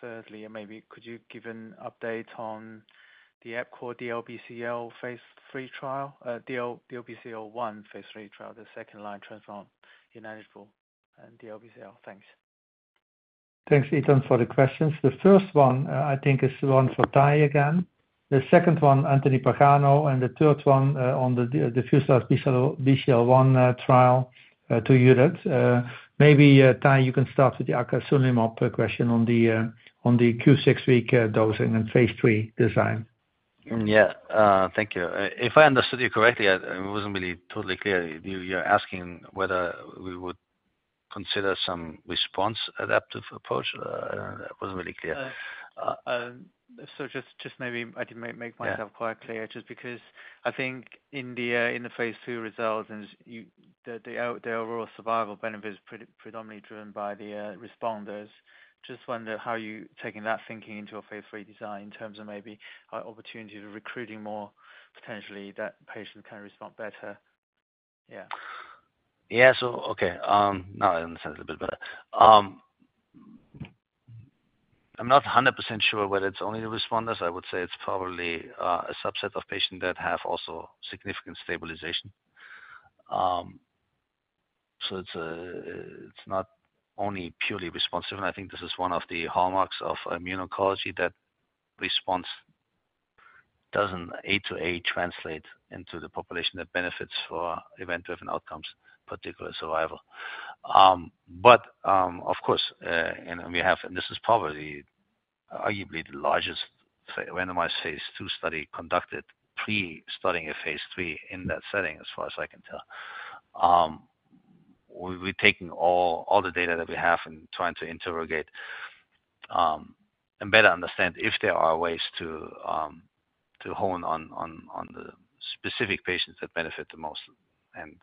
P: thirdly, maybe could you give an update on the EPCORE DLBCL phase 3 trial, EPCORE DLBCL-1 phase 3 trial, the second-line treatment in R/R and DLBCL? Thanks.
B: Thanks, Yifeng, for the questions. The first one, I think is one for Tahi again, the second one, Anthony Pagano, and the third one, on the diffuse large B-cell lymphoma trial. Maybe, Tahi, you can start with the acasunlimab question on the Q6-week dosing and phase 3 design.
C: Yeah, thank you. If I understood you correctly, I, it wasn't really totally clear. You, you're asking whether we would consider some response adaptive approach? That wasn't really clear.
P: So, just maybe I can make myself quite clear.
C: Yeah.
P: Just because I think in the phase 2 results the overall survival benefit is predominantly driven by the responders. Just wonder how you're taking that thinking into a phase 3 design in terms of maybe opportunities of recruiting more potentially that patient can respond better. Yeah.
C: Yeah. So, okay, now I understand a little bit better. I'm not 100% sure whether it's only the responders. I would say it's probably a subset of patients that have also significant stabilization. It's not only purely responsive, and I think this is one of the hallmarks of immunology, that response doesn't A to A translate into the population that benefits for event-driven outcomes, particularly survival. But of course, and we have, and this is probably arguably the largest randomized phase 2 study conducted preceding a phase 3 in that setting, as far as I can tell. We're taking all the data that we have and trying to interrogate and better understand if there are ways to hone on the specific patients that benefit the most. And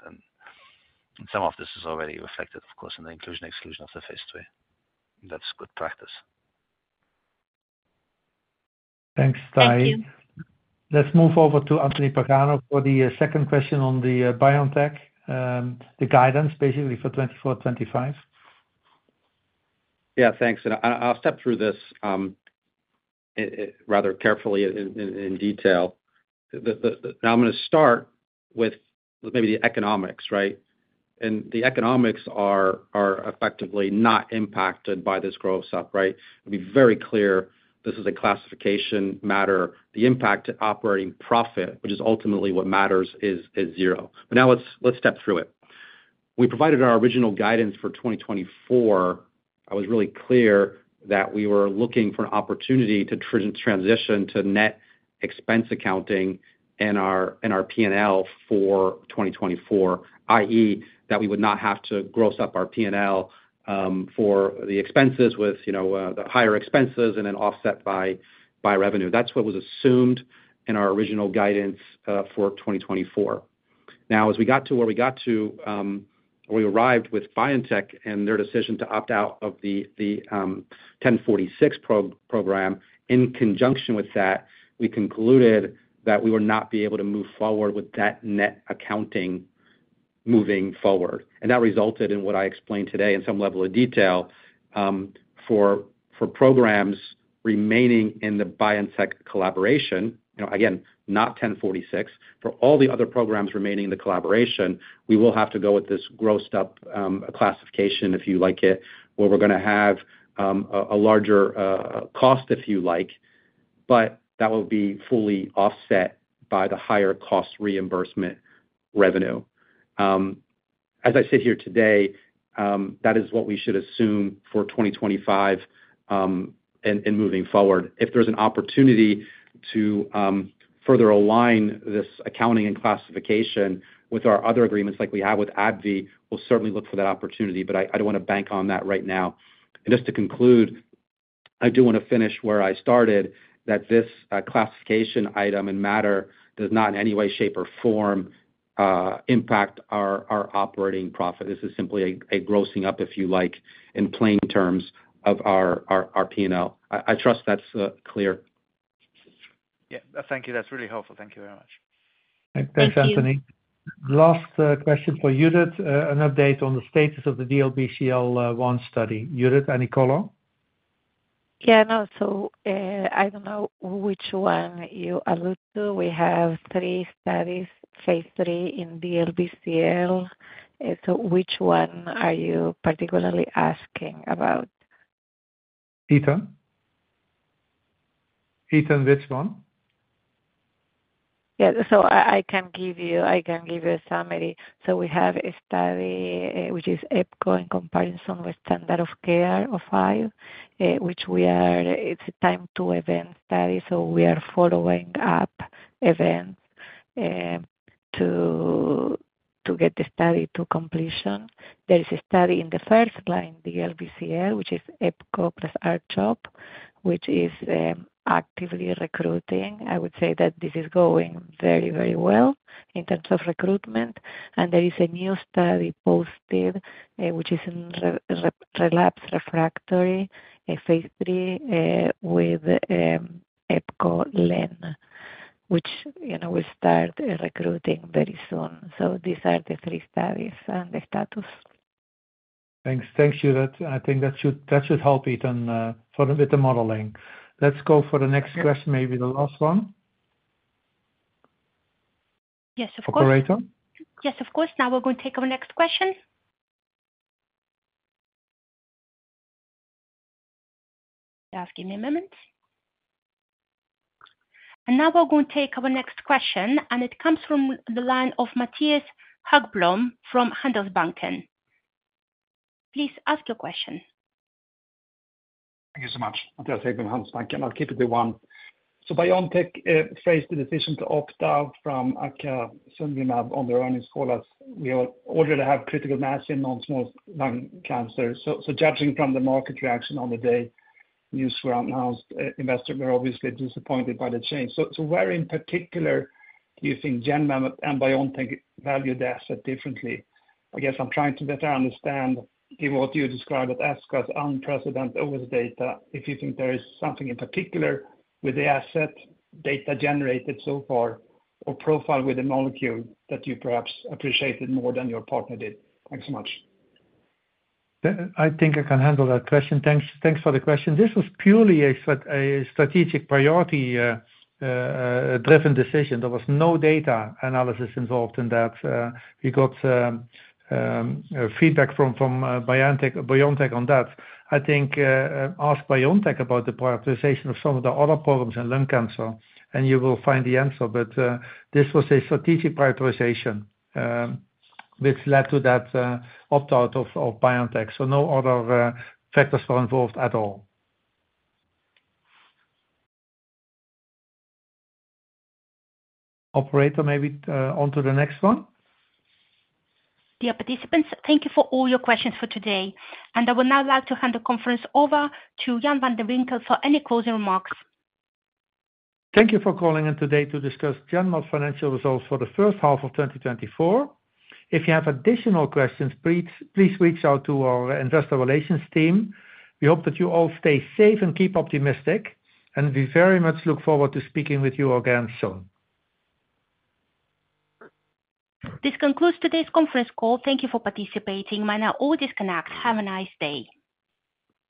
C: some of this is already reflected, of course, in the inclusion/exclusion of the phase 3. That's good practice.
B: Thanks, Tahi.
A: Thank you.
B: Let's move over to Anthony Pagano for the second question on the BioNTech, the guidance basically for 2024, 2025.
E: Yeah, thanks. I'll step through this rather carefully in detail. Now I'm gonna start with maybe the economics, right? The economics are effectively not impacted by this gross up, right? To be very clear, this is a classification matter. The impact to operating profit, which is ultimately what matters, is zero. But now let's step through it. We provided our original guidance for 2024. I was really clear that we were looking for an opportunity to transition to net expense accounting in our P&L for 2024, i.e., that we would not have to gross up our P&L for the expenses with, you know, the higher expenses and then offset by revenue. That's what was assumed in our original guidance for 2024. Now, as we got to where we got to, we arrived with BioNTech and their decision to opt out of the, the, GEN1046 program. In conjunction with that, we concluded that we would not be able to move forward with that net accounting moving forward. And that resulted in what I explained today in some level of detail, for programs remaining in the BioNTech collaboration, you know, again, not GEN1046. For all the other programs remaining in the collaboration, we will have to go with this grossed up, classification, if you like it, where we're gonna have, a larger, cost, if you like, but that will be fully offset by the higher cost reimbursement revenue. As I sit here today, that is what we should assume for 2025, and moving forward. If there's an opportunity to further align this accounting and classification with our other agreements, like we have with AbbVie, we'll certainly look for that opportunity, but I, I don't want to bank on that right now. Just to conclude, I do wanna finish where I started: that this classification item and matter does not in any way, shape, or form impact our, our operating profit. This is simply a grossing up, if you like, in plain terms of our, our, our P&L. I, I trust that's clear.
P: Yeah. Thank you. That's really helpful. Thank you very much.
B: Thanks, Anthony.
A: Thank you.
B: Last question for Judith. An update on the status of the DLBCL-1 study. Judith Klimovsky?
K: Yeah, no. So, I don't know which one you allude to. We have 3 studies, phase 3 in DLBCL. So, which one are you particularly asking about?
B: Yifeng? Yifeng, which one?
K: Yeah. So I can give you a summary. So we have a study, which is EPCORE in comparison with standard of care for FL, which we are. It's a time to event study, so we are following up events to get the study to completion. There is a study in the first line, DLBCL, which is EPCORE plus R-CHOP, which is actively recruiting. I would say that this is going very, very well in terms of recruitment. And there is a new study posted, which is in relapsed refractory, a phase 3 with EPCORE Len, which, you know, will start recruiting very soon. So these are the three studies and the status.
B: Thanks. Thanks, Judith. I think that should, that should help Yifeng with the modeling. Let's go for the next question, maybe the last one.
A: Yes, of course.
B: Operator?
A: Yes, of course. Now we're going to take our next question. Yeah, give me a moment. Now we're going to take our next question, and it comes from the line of Mattias Häggblom, from Handelsbanken. Please ask your question.
F: Thank you so much. Mattias Häggblom, Handelsbanken. I'll keep it to one. So BioNTech phrased the decision to opt out from acasunlimab on the earnings call as we are ordered to have critical mass in non-small cell lung cancer. So judging from the market reaction on the day news were announced, investors were obviously disappointed by the change. So where in particular do you think Genmab and BioNTech value the asset differently? I guess I'm trying to better understand, given what you described as across unprecedented over the data, if you think there is something in particular with the asset data generated so far, or profile with the molecule that you perhaps appreciated more than your partner did. Thanks so much.
B: I think I can handle that question. Thanks, thanks for the question. This was purely a strategic priority driven decision. There was no data analysis involved in that. We got feedback from BioNTech on that. I think ask BioNTech about the prioritization of some of the other problems in lung cancer, and you will find the answer. This was a strategic prioritization which led to that opt out of BioNTech, so no other factors were involved at all. Operator, maybe on to the next one.
A: Dear participants, thank you for all your questions for today, and I would now like to hand the conference over to Jan van de Winkel for any closing remarks.
B: Thank you for calling in today to discuss Genmab's financial results for the first half of 2024. If you have additional questions, please, please reach out to our Investor Relations team. We hope that you all stay safe and keep optimistic, and we very much look forward to speaking with you again soon.
A: This concludes today's conference call. Thank you for participating. You may now all disconnect. Have a nice day.